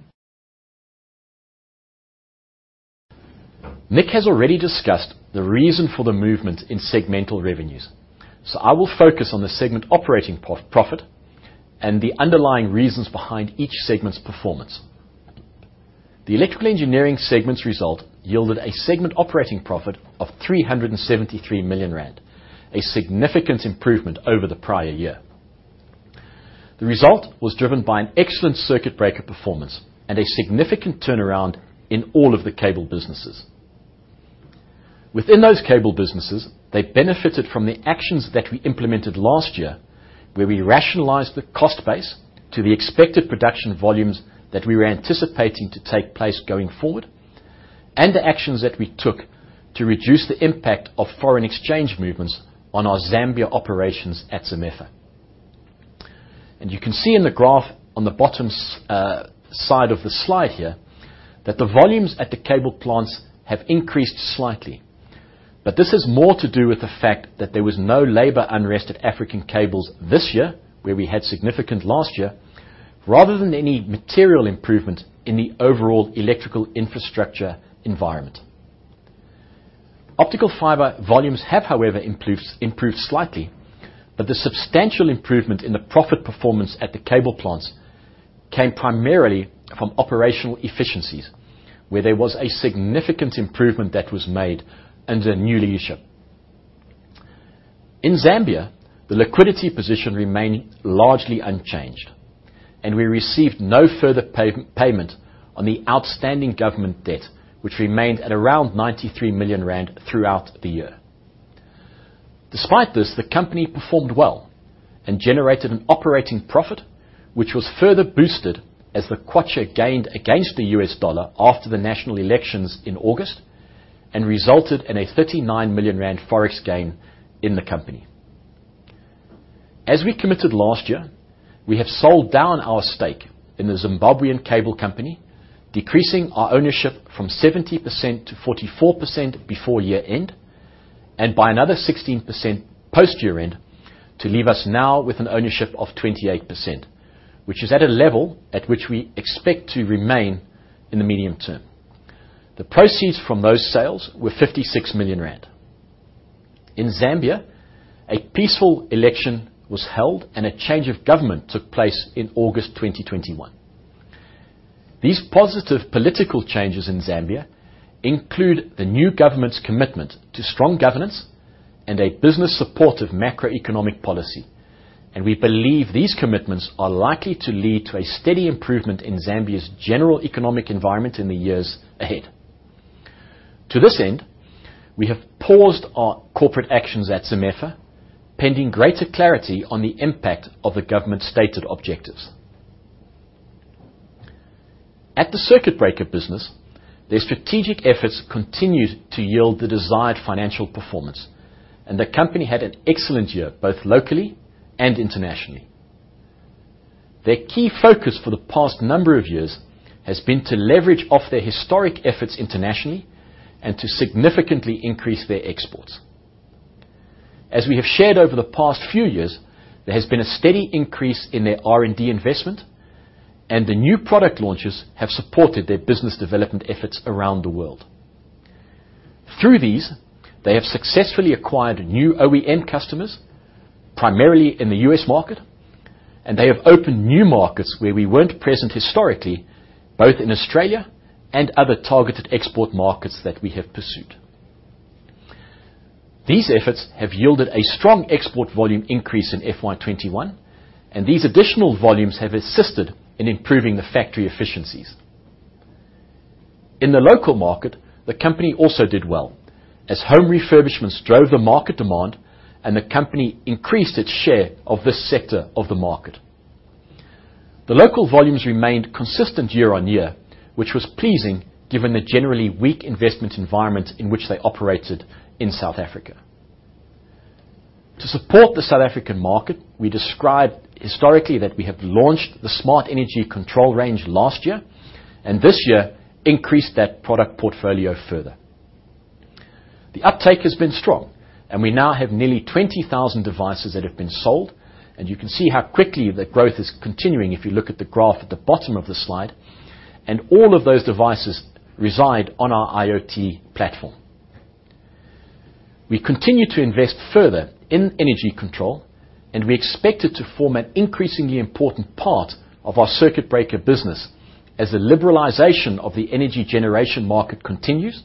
Speaker 1: Nick has already discussed the reason for the movement in segmental revenues, so I will focus on the segment operating profit and the underlying reasons behind each segment's performance. The electrical engineering segment's result yielded a segment operating profit of 373 million rand, a significant improvement over the prior year. The result was driven by an excellent circuit breaker performance and a significant turnaround in all of the cable businesses. Within those cable businesses, they benefited from the actions that we implemented last year, where we rationalized the cost base to the expected production volumes that we were anticipating to take place going forward, and the actions that we took to reduce the impact of foreign exchange movements on our Zambia operations at ZAMEFA. You can see in the graph on the bottom side of the slide here, that the volumes at the cable plants have increased slightly. This is more to do with the fact that there was no labor unrest at African Cables this year, where we had significant last year, rather than any material improvement in the overall electrical infrastructure environment. Optical fiber volumes have, however, improved slightly, the substantial improvement in the profit performance at the cable plants came primarily from operational efficiencies, where there was a significant improvement that was made under new leadership. In Zambia, the liquidity position remained largely unchanged, and we received no further payment on the outstanding government debt, which remained at around 93 million rand throughout the year. Despite this, the company performed well and generated an operating profit, which was further boosted as the Kwacha gained against the U.S. dollar after the national elections in August and resulted in a 39 million rand FOREX gain in the company. As we committed last year, we have sold down our stake in the Zimbabwean cable company, decreasing our ownership from 70%-44% before year-end, and by another 16% post year-end to leave us now with an ownership of 28%, which is at a level at which we expect to remain in the medium term. The proceeds from those sales were 56 million rand. In Zambia, a peaceful election was held and a change of government took place in August 2021. These positive political changes in Zambia include the new government's commitment to strong governance and a business-supportive macroeconomic policy, and we believe these commitments are likely to lead to a steady improvement in Zambia's general economic environment in the years ahead. To this end, we have paused our corporate actions at ZAMEFA, pending greater clarity on the impact of the government's stated objectives. At the circuit breaker business, their strategic efforts continued to yield the desired financial performance, and the company had an excellent year, both locally and internationally. Their key focus for the past number of years has been to leverage off their historic efforts internationally and to significantly increase their exports. As we have shared over the past few years, there has been a steady increase in their R&D investment, and the new product launches have supported their business development efforts around the world. Through these, they have successfully acquired new OEM customers, primarily in the U.S. market, and they have opened new markets where we weren't present historically, both in Australia and other targeted export markets that we have pursued. These efforts have yielded a strong export volume increase in FY 2021, and these additional volumes have assisted in improving the factory efficiencies. In the local market, the company also did well as home refurbishments drove the market demand and the company increased its share of this sector of the market. The local volumes remained consistent year-on-year, which was pleasing given the generally weak investment environment in which they operated in South Africa. To support the South African market, we described historically that we have launched the smart energy control range last year, and this year increased that product portfolio further. The uptake has been strong, and we now have nearly 20,000 devices that have been sold, and you can see how quickly the growth is continuing if you look at the graph at the bottom of the slide. All of those devices reside on our IoT platform. We continue to invest further in energy control, and we expect it to form an increasingly important part of our circuit breaker business as the liberalization of the energy generation market continues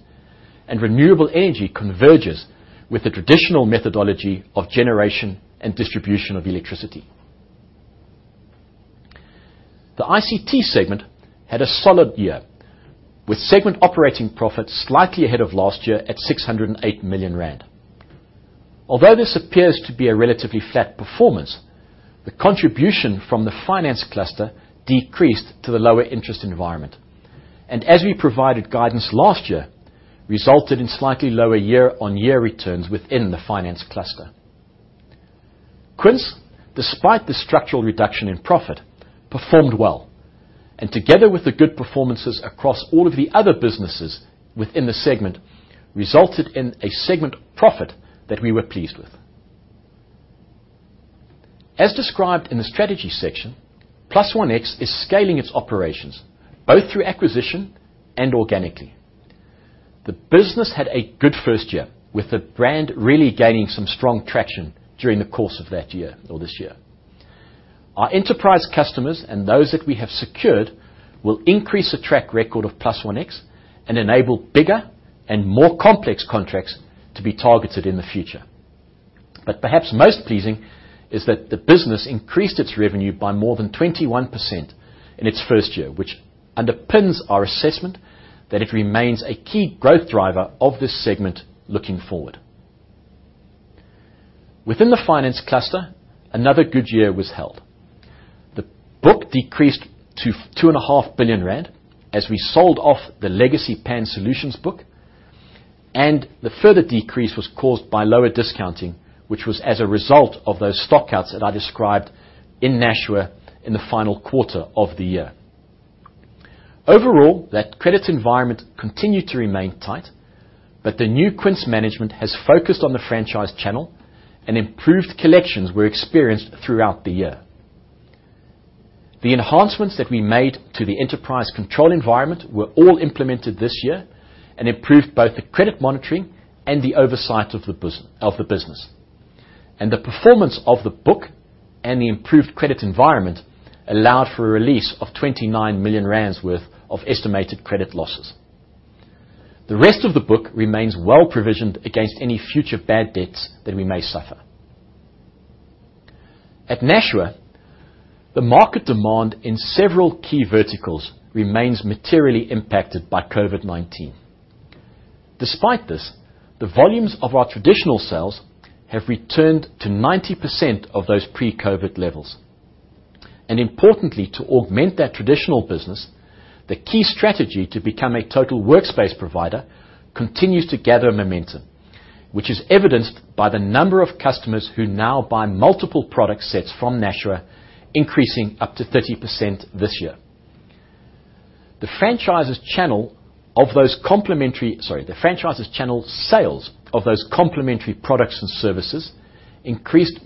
Speaker 1: and renewable energy converges with the traditional methodology of generation and distribution of electricity. The ICT segment had a solid year, with segment operating profits slightly ahead of last year at 608 million rand. Although this appears to be a relatively flat performance, the contribution from the finance cluster decreased to the lower interest environment, and as we provided guidance last year, resulted in slightly lower year-on-year returns within the finance cluster. Quince, despite the structural reduction in profit, performed well, and together with the good performances across all of the other businesses within the segment, resulted in a segment profit that we were pleased with. As described in the strategy section, +OneX is scaling its operations both through acquisition and organically. The business had a good first year, with the brand really gaining some strong traction during the course of that year or this year. Our enterprise customers and those that we have secured will increase the track record of +OneX and enable bigger and more complex contracts to be targeted in the future. Perhaps most pleasing is that the business increased its revenue by more than 21% in its first year, which underpins our assessment that it remains a key growth driver of this segment looking forward. Within the finance cluster, another good year was had. The book decreased to 2.5 billion rand as we sold off the legacy PanSolutions book, and the further decrease was caused by lower discounting, which was as a result of those stock outs that I described in Nashua in the final quarter of the year. Overall, that credit environment continued to remain tight, but the new Quince management has focused on the franchise channel and improved collections were experienced throughout the year. The enhancements that we made to the enterprise control environment were all implemented this year and improved both the credit monitoring and the oversight of the business. The performance of the book and the improved credit environment allowed for a release of 29 million rand worth of estimated credit losses. The rest of the book remains well-provisioned against any future bad debts that we may suffer. At Nashua, the market demand in several key verticals remains materially impacted by COVID-19. Despite this, the volumes of our traditional sales have returned to 90% of those pre-COVID levels. Importantly, to augment that traditional business, the key strategy to become a total workspace provider continues to gather momentum, which is evidenced by the number of customers who now buy multiple product sets from Nashua, increasing up to 30% this year. The franchisor's channel sales of those complementary products and services increased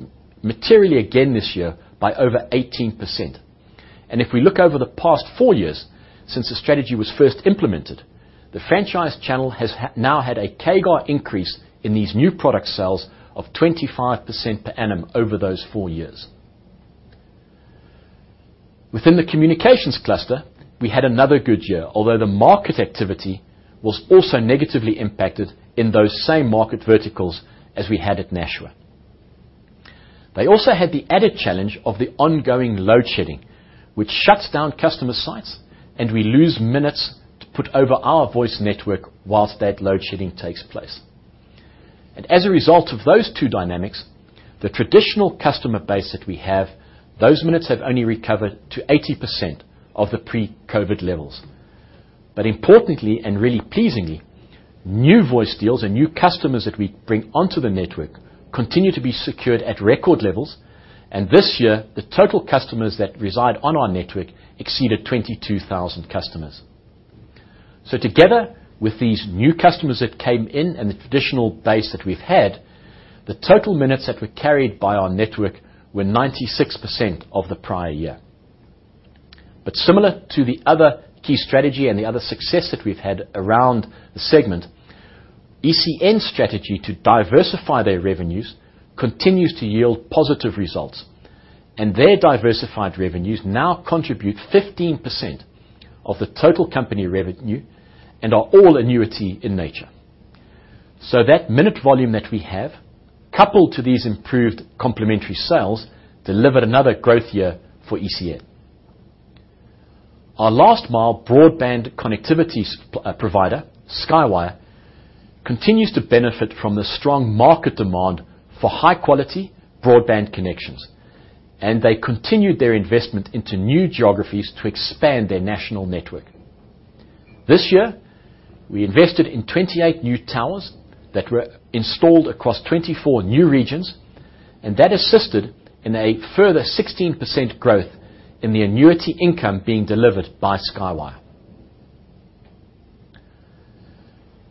Speaker 1: materially again this year by over 18%. If we look over the past four years since the strategy was first implemented, the franchise channel has now had a CAGR increase in these new product sales of 25% per annum over those four years. Within the communications cluster, we had another good year, although the market activity was also negatively impacted in those same market verticals as we had at Nashua. They also had the added challenge of the ongoing load shedding, which shuts down customer sites, and we lose minutes to put over our voice network whilst that load shedding takes place. As a result of those two dynamics, the traditional customer base that we have, those minutes have only recovered to 80% of the pre-COVID levels. Importantly, and really pleasingly, new voice deals and new customers that we bring onto the network continue to be secured at record levels, and this year, the total customers that reside on our network exceeded 22,000 customers. Together with these new customers that came in and the traditional base that we've had, the total minutes that were carried by our network were 96% of the prior year. Similar to the other key strategy and the other success that we've had around the segment, ECN's strategy to diversify their revenues continues to yield positive results, and their diversified revenues now contribute 15% of the total company revenue and are all annuity in nature. That minute volume that we have, coupled to these improved complementary sales, delivered another growth year for ECN. Our last-mile broadband connectivities provider, SkyWire, continues to benefit from the strong market demand for high-quality broadband connections, and they continued their investment into new geographies to expand their national network. This year, we invested in 28 new towers that were installed across 24 new regions, and that assisted in a further 16% growth in the annuity income being delivered by SkyWire.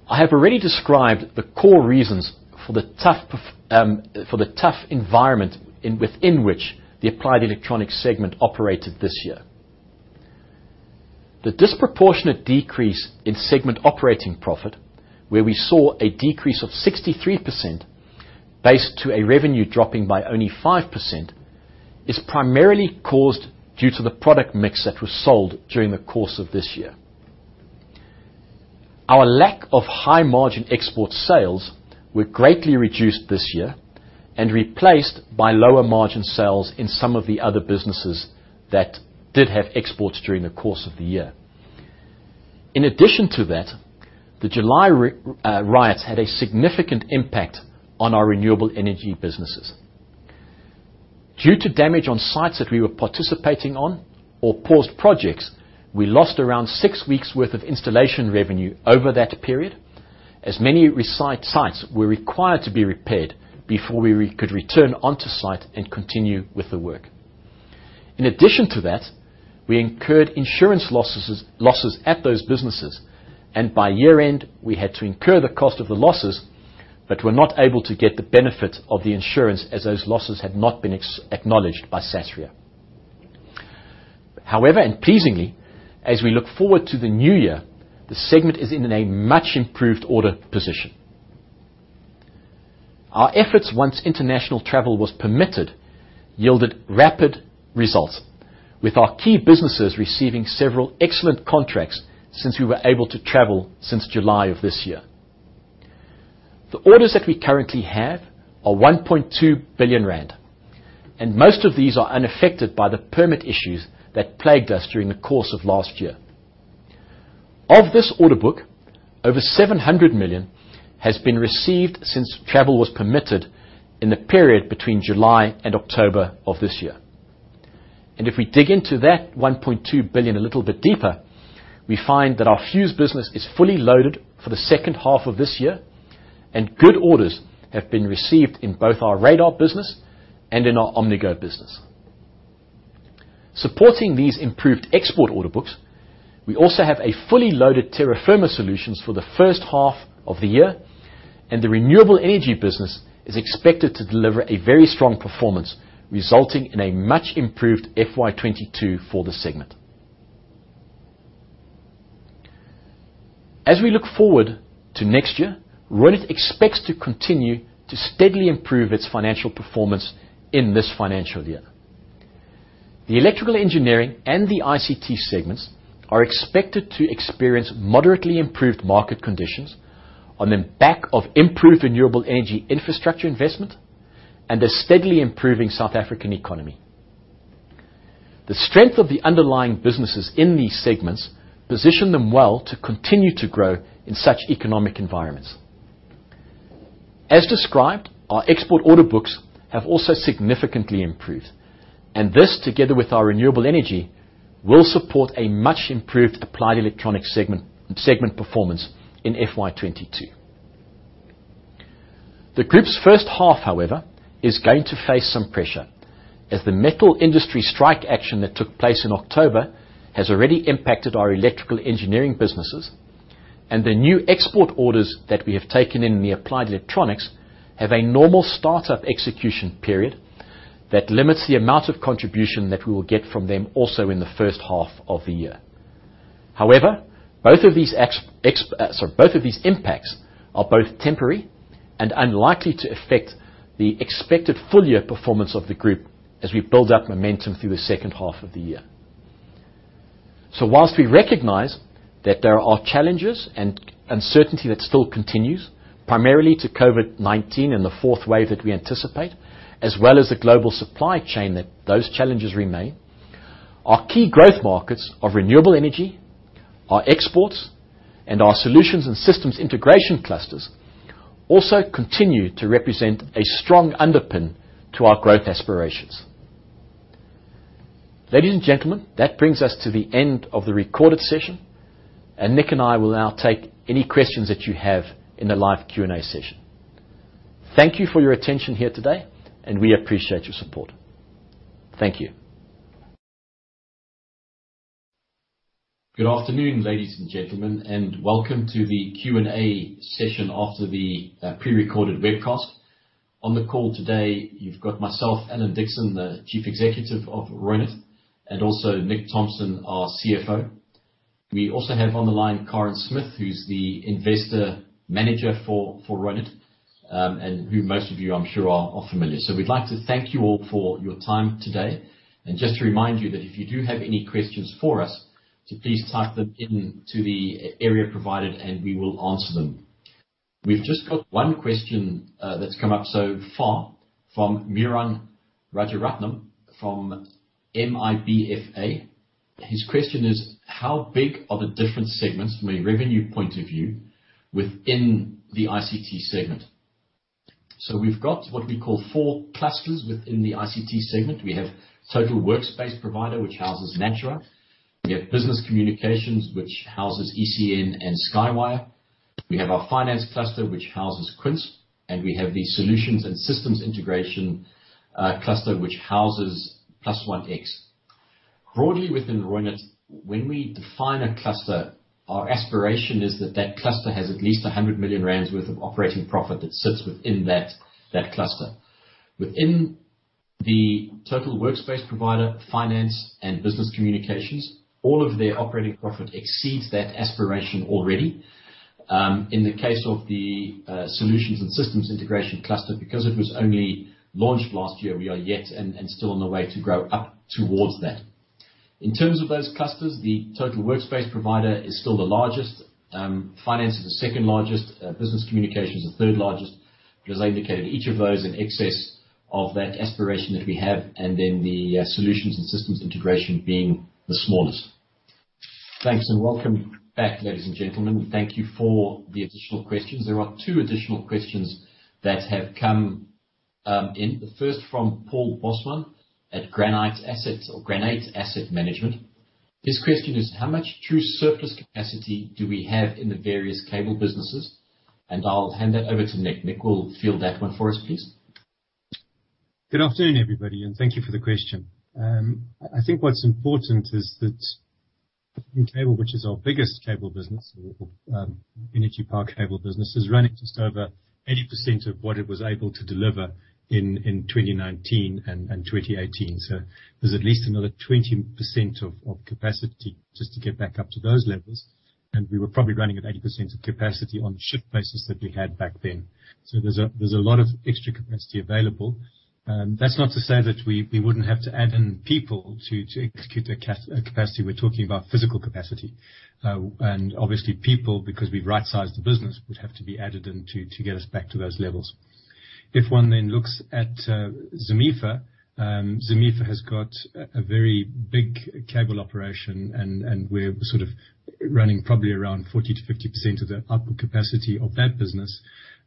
Speaker 1: I have already described the core reasons for the tough environment in which the Applied Electronics segment operated this year. The disproportionate decrease in segment operating profit, where we saw a decrease of 63% based to a revenue dropping by only 5%, is primarily caused due to the product mix that was sold during the course of this year. Our lack of high-margin export sales were greatly reduced this year and replaced by lower-margin sales in some of the other businesses that did have exports during the course of the year. In addition to that, the July riots had a significant impact on our renewable energy businesses. Due to damage on sites that we were participating on or paused projects, we lost around 6 weeks worth of installation revenue over that period, as many recite sites were required to be repaired before we could return onto site and continue with the work. In addition to that, we incurred insurance losses at those businesses, and by year-end, we had to incur the cost of the losses but were not able to get the benefit of the insurance as those losses had not been acknowledged by Sasria. However, and pleasingly, as we look forward to the new year, the segment is in a much improved order position. Our efforts, once international travel was permitted, yielded rapid results, with our key businesses receiving several excellent contracts since we were able to travel since July of this year. The orders that we currently have are 1.2 billion rand, and most of these are unaffected by the permit issues that plagued us during the course of last year. Of this order book, over 700 million has been received since travel was permitted in the period between July and October of this year. If we dig into that 1.2 billion a little bit deeper, we find that our fuse business is fully loaded for the second half of this year, and good orders have been received in both our radar business and in our Omnigo business. Supporting these improved export order books, we also have a fully loaded Terra Firma Solutions for the first half of the year, and the renewable energy business is expected to deliver a very strong performance, resulting in a much improved FY 2022 for the segment. As we look forward to next year, Reunert expects to continue to steadily improve its financial performance in this financial year. The electrical engineering and the ICT segments are expected to experience moderately improved market conditions on the back of improved renewable energy infrastructure investment and a steadily improving South African economy. The strength of the underlying businesses in these segments position them well to continue to grow in such economic environments. As described, our export order books have also significantly improved, and this, together with our renewable energy, will support a much improved Applied Electronics segment performance in FY 2022. The group's first half, however, is going to face some pressure as the metal industry strike action that took place in October has already impacted our Electrical Engineering businesses and the new export orders that we have taken in the Applied Electronics have a normal startup execution period that limits the amount of contribution that we will get from them also in the first half of the year. However, both of these. Sorry, both of these impacts are both temporary and unlikely to affect the expected full year performance of the group as we build up momentum through the second half of the year. While we recognize that there are challenges and uncertainty that still continues, primarily due to COVID-19 and the fourth wave that we anticipate, as well as the global supply chain, that those challenges remain. Our key growth markets of renewable energy, our exports, and our solutions and systems integration clusters also continue to represent a strong underpin to our growth aspirations. Ladies and gentlemen, that brings us to the end of the recorded session and Nick and I will now take any questions that you have in the live Q&A session. Thank you for your attention here today, and we appreciate your support. Thank you. Good afternoon, ladies and gentlemen, and welcome to the Q&A session after the prerecorded webcast. On the call today you've got myself, Alan Dickson, the Chief Executive of Reunert, and also Nick Thomson, our CFO. We also have on the line Karen Smith, who's the Investor Manager for Reunert, and who most of you, I'm sure, are familiar. We'd like to thank you all for your time today. Just to remind you that if you do have any questions for us, please type them into the area provided and we will answer them. We've just got one question that's come up so far from Miran Rajaratnam from MIBFA. His question is: How big are the different segments from a revenue point of view within the ICT segment? We've got what we call four clusters within the ICT segment. We have Total Workspace Provider, which houses Nashua. We have Business Communications, which houses ECN and SkyWire. We have our Finance cluster, which houses Quince. We have the Solutions and Systems Integration cluster, which houses +OneX. Broadly within Reunert, when we define a cluster, our aspiration is that that cluster has at least 100 million rand worth of operating profit that sits within that cluster. Within the Total Workspace Provider, Finance and Business Communications, all of their operating profit exceeds that aspiration already. In the case of the Solutions and Systems Integration cluster, because it was only launched last year, we are yet and still on the way to grow up towards that. In terms of those clusters, the Total Workspace Provider is still the largest. Finance is the second largest. Business Communications is the third largest. Because I indicated each of those in excess of that aspiration that we have, and then the solutions and systems integration being the smallest. Thanks and welcome back, ladies and gentlemen. Thank you for the additional questions. There are two additional questions that have come in. The first from Paul Bosman at Granate Asset Management. His question is: How much true surplus capacity do we have in the various cable businesses? I'll hand that over to Nick. Nick will field that one for us, please.
Speaker 2: Good afternoon, everybody, and thank you for the question. I think what's important is that in cable, which is our biggest cable business, energy park cable business, is running just over 80% of what it was able to deliver in 2019 and 2018. There's at least another 20% of capacity just to get back up to those levels. We were probably running at 80% of capacity on shift basis that we had back then. There's a lot of extra capacity available. That's not to say that we wouldn't have to add in people to execute a capacity. We're talking about physical capacity. Obviously people, because we've right-sized the business, would have to be added in to get us back to those levels. If one looks at ZAMEFA has got a very big cable operation and we're sort of running probably around 40%-50% of the upper capacity of that business.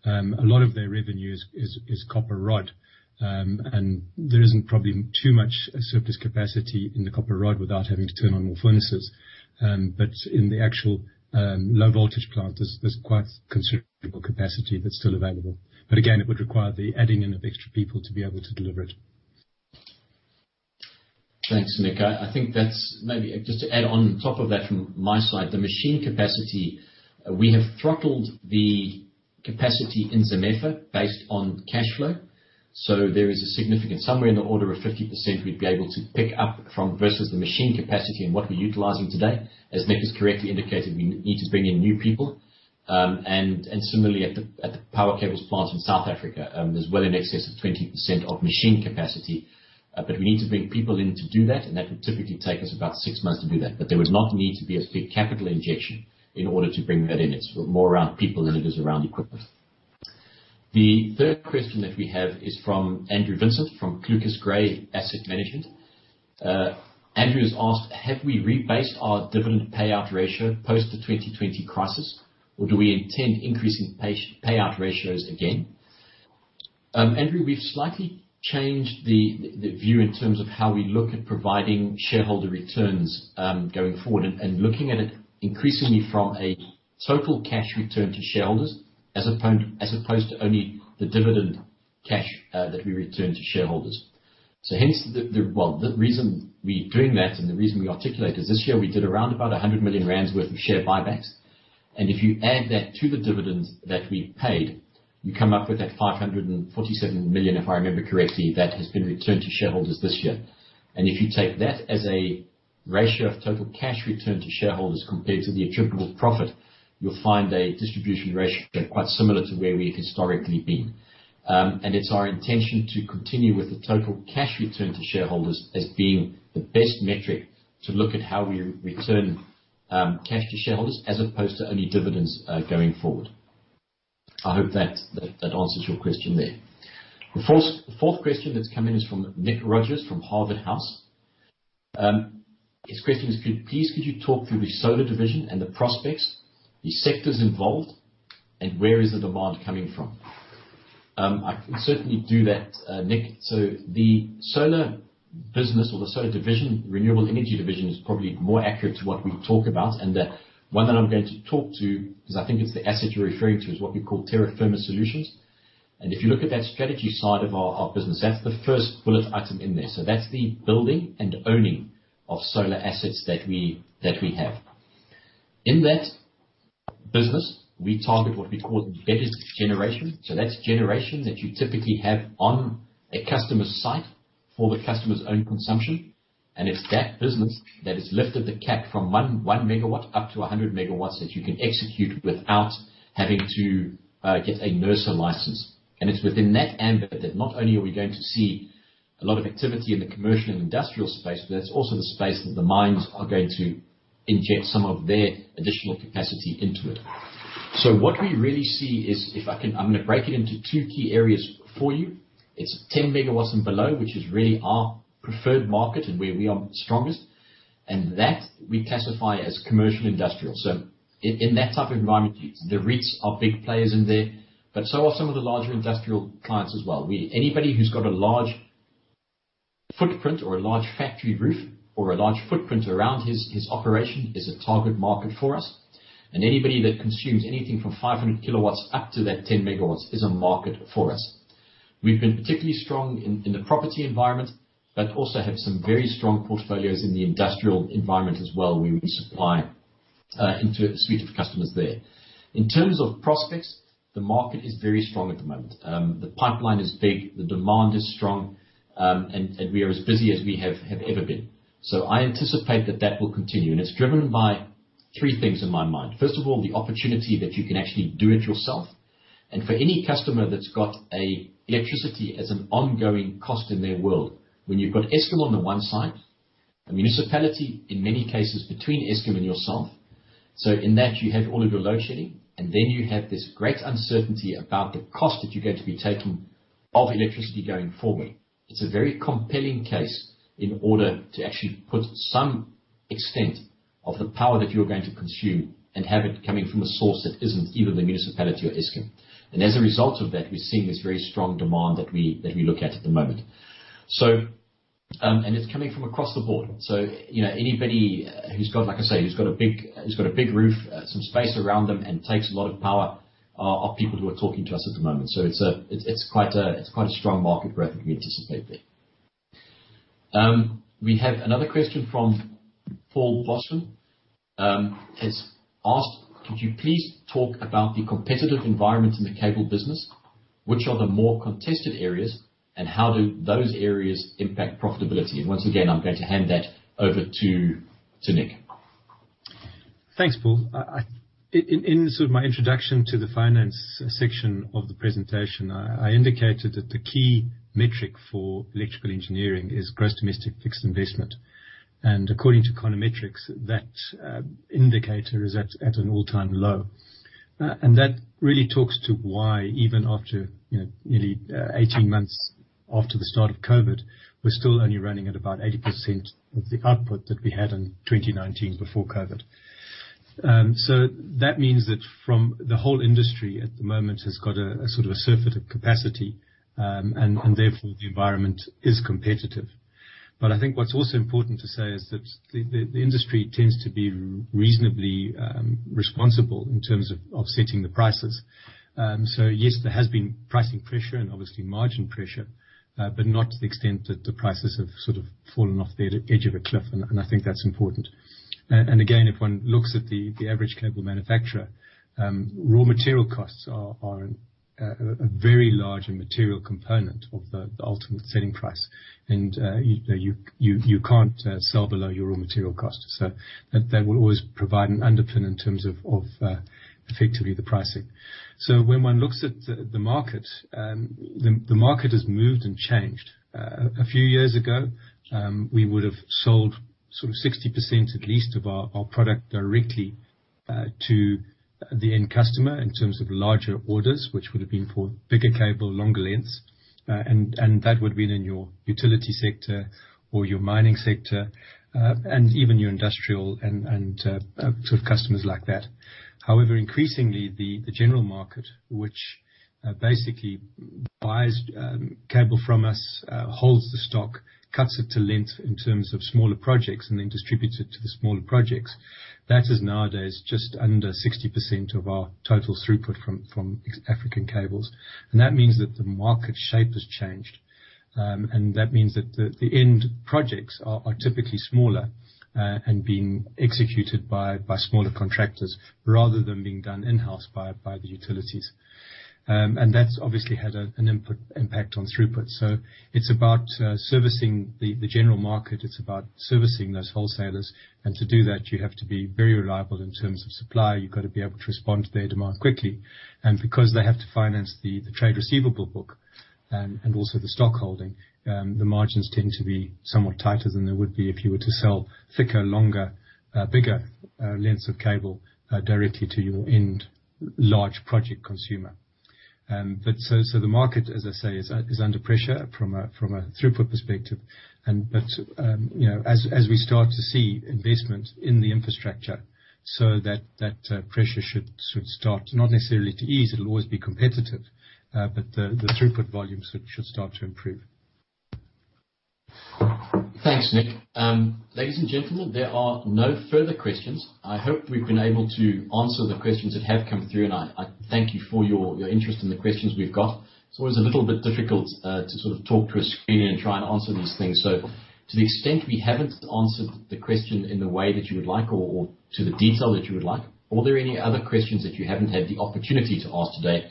Speaker 2: A lot of their revenues is copper rod. There isn't probably too much surplus capacity in the copper rod without having to turn on more furnaces. In the actual low voltage plant, there's quite considerable capacity that's still available. Again, it would require the adding in of extra people to be able to deliver it.
Speaker 1: Thanks, Nick. I think that's maybe just to add on top of that from my side. The machine capacity, we have throttled the capacity in ZAMEFA based on cash flow, so there is a significant somewhere in the order of 50% we'd be able to pick up from versus the machine capacity and what we're utilizing today. As Nick has correctly indicated, we need to bring in new people, and similarly at the power cables plant in South Africa, there's well in excess of 20% of machine capacity. We need to bring people in to do that, and that would typically take us about 6 months to do that. There would not need to be a big capital injection in order to bring that in. It's more around people than it is around equipment. The third question that we have is from Andrew Vincent, from ClucasGray Asset Management. Andrew has asked, have we rebased our dividend payout ratio post the 2020 crisis, or do we intend increasing payout ratios again? Andrew, we've slightly changed the view in terms of how we look at providing shareholder returns, going forward. Looking at it increasingly from a total cash return to shareholders as opposed to only the dividend cash that we return to shareholders. The reason we're doing that and the reason we articulate is this year we did around about 100 million rand worth of share buybacks. If you add that to the dividends that we paid, you come up with that 547 million, if I remember correctly, that has been returned to shareholders this year. If you take that as a ratio of total cash returned to shareholders compared to the attributable profit, you'll find a distribution ratio quite similar to where we have historically been. It's our intention to continue with the total cash return to shareholders as being the best metric to look at how we return cash to shareholders as opposed to only dividends going forward. I hope that answers your question there. The fourth question that's come in is from Nick Rogers from Harvard House. His question is, please could you talk through the solar division and the prospects, the sectors involved, and where is the demand coming from? I can certainly do that, Nick. The solar business or the solar division, renewable energy division, is probably more accurate to what we talk about. The one that I'm going to talk to, because I think it's the asset you're referring to, is what we call Terra Firma Solutions. If you look at that strategy side of our business, that's the first bullet item in there. That's the building and owning of solar assets that we have. In that business, we target what we call embedded generation. That's generation that you typically have on a customer site for the customer's own consumption. It's that business that has lifted the cap from 1 MW up to 100 MW that you can execute without having to get a NERSA license. It's within that ambit that not only are we going to see a lot of activity in the commercial and industrial space, but that's also the space that the mines are going to inject some of their additional capacity into it. What we really see is, if I can, I'm gonna break it into two key areas for you. It's 10 MW and below, which is really our preferred market and where we are strongest, and that we classify as commercial industrial. In that type of environment, the REITs are big players in there, but so are some of the larger industrial clients as well. Anybody who's got a large footprint or a large factory roof or a large footprint around his operation is a target market for us. Anybody that consumes anything from 500 kW up to that 10 MW is a market for us. We've been particularly strong in the property environment, but also have some very strong portfolios in the industrial environment as well, where we supply into a suite of customers there. In terms of prospects, the market is very strong at the moment. The pipeline is big, the demand is strong, and we are as busy as we have ever been. I anticipate that will continue, and it's driven by three things in my mind. First of all, the opportunity that you can actually do it yourself. For any customer that's got an electricity as an ongoing cost in their world, when you've got Eskom on the one side, a municipality in many cases between Eskom and yourself, so in that you have all of your load shedding, and then you have this great uncertainty about the cost that you're going to be taking of electricity going forward. It's a very compelling case in order to actually put some extent of the power that you're going to consume and have it coming from a source that isn't either the municipality or Eskom. As a result of that, we're seeing this very strong demand that we look at at the moment. It's coming from across the board. You know anybody who's got, like I say, a big roof, some space around them and takes a lot of power are people who are talking to us at the moment. It's quite a strong market growth we anticipate there. We have another question from Paul Bosman. He's asked, could you please talk about the competitive environment in the cable business? Which are the more contested areas, and how do those areas impact profitability? Once again, I'm going to hand that over to Nick.
Speaker 2: Thanks, Paul. In sort of my introduction to the finance section of the presentation, I indicated that the key metric for electrical engineering is gross domestic fixed investment. According to Econometrix, that indicator is at an all-time low. That really talks to why even after, you know, nearly 18 months after the start of COVID, we're still only running at about 80% of the output that we had in 2019 before COVID. That means that the whole industry at the moment has got a sort of surfeit of capacity, and therefore the environment is competitive. I think what's also important to say is that the industry tends to be reasonably responsible in terms of setting the prices. Yes, there has been pricing pressure and obviously margin pressure. Not to the extent that the prices have sort of fallen off the edge of a cliff, and I think that's important. Again, if one looks at the average cable manufacturer, raw material costs are a very large and material component of the ultimate selling price. You can't sell below your raw material costs, so that will always provide an underpin in terms of effectively the pricing. When one looks at the market, the market has moved and changed. A few years ago, we would've sold sort of 60% at least of our product directly to the end customer in terms of larger orders, which would've been for bigger cable, longer lengths. That would've been in your utility sector or your mining sector, and even your industrial, sort of customers like that. However, increasingly the general market, which basically buys cable from us, holds the stock, cuts it to length in terms of smaller projects and then distributes it to the smaller projects, that is nowadays just under 60% of our total throughput from African Cables. That means that the market shape has changed. That means that the end projects are typically smaller and being executed by smaller contractors rather than being done in-house by the utilities. That's obviously had an impact on throughput. It's about servicing the general market, it's about servicing those wholesalers. To do that, you have to be very reliable in terms of supply. You've gotta be able to respond to their demand quickly. Because they have to finance the trade receivable book and also the stock holding, the margins tend to be somewhat tighter than they would be if you were to sell thicker, longer, bigger lengths of cable directly to your end large project consumer. So the market, as I say, is under pressure from a throughput perspective, you know, as we start to see investment in the infrastructure so that pressure should start not necessarily to ease, it'll always be competitive, but the throughput volumes should start to improve.
Speaker 1: Thanks, Nick. Ladies and gentlemen, there are no further questions. I hope we've been able to answer the questions that have come through, and I thank you for your interest in the questions we've got. It's always a little bit difficult to sort of talk to a screen and try and answer these things. To the extent we haven't answered the question in the way that you would like or to the detail that you would like, are there any other questions that you haven't had the opportunity to ask today?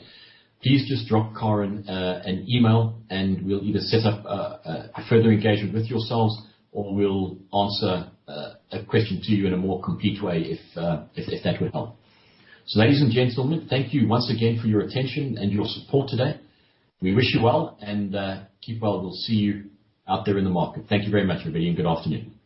Speaker 1: Please just drop Karen an email, and we'll either set up a further engagement with yourselves, or we'll answer a question to you in a more complete way if that would help. Ladies and gentlemen, thank you once again for your attention and your support today. We wish you well, and keep well. We'll see you out there in the market. Thank you very much, everybody, and good afternoon.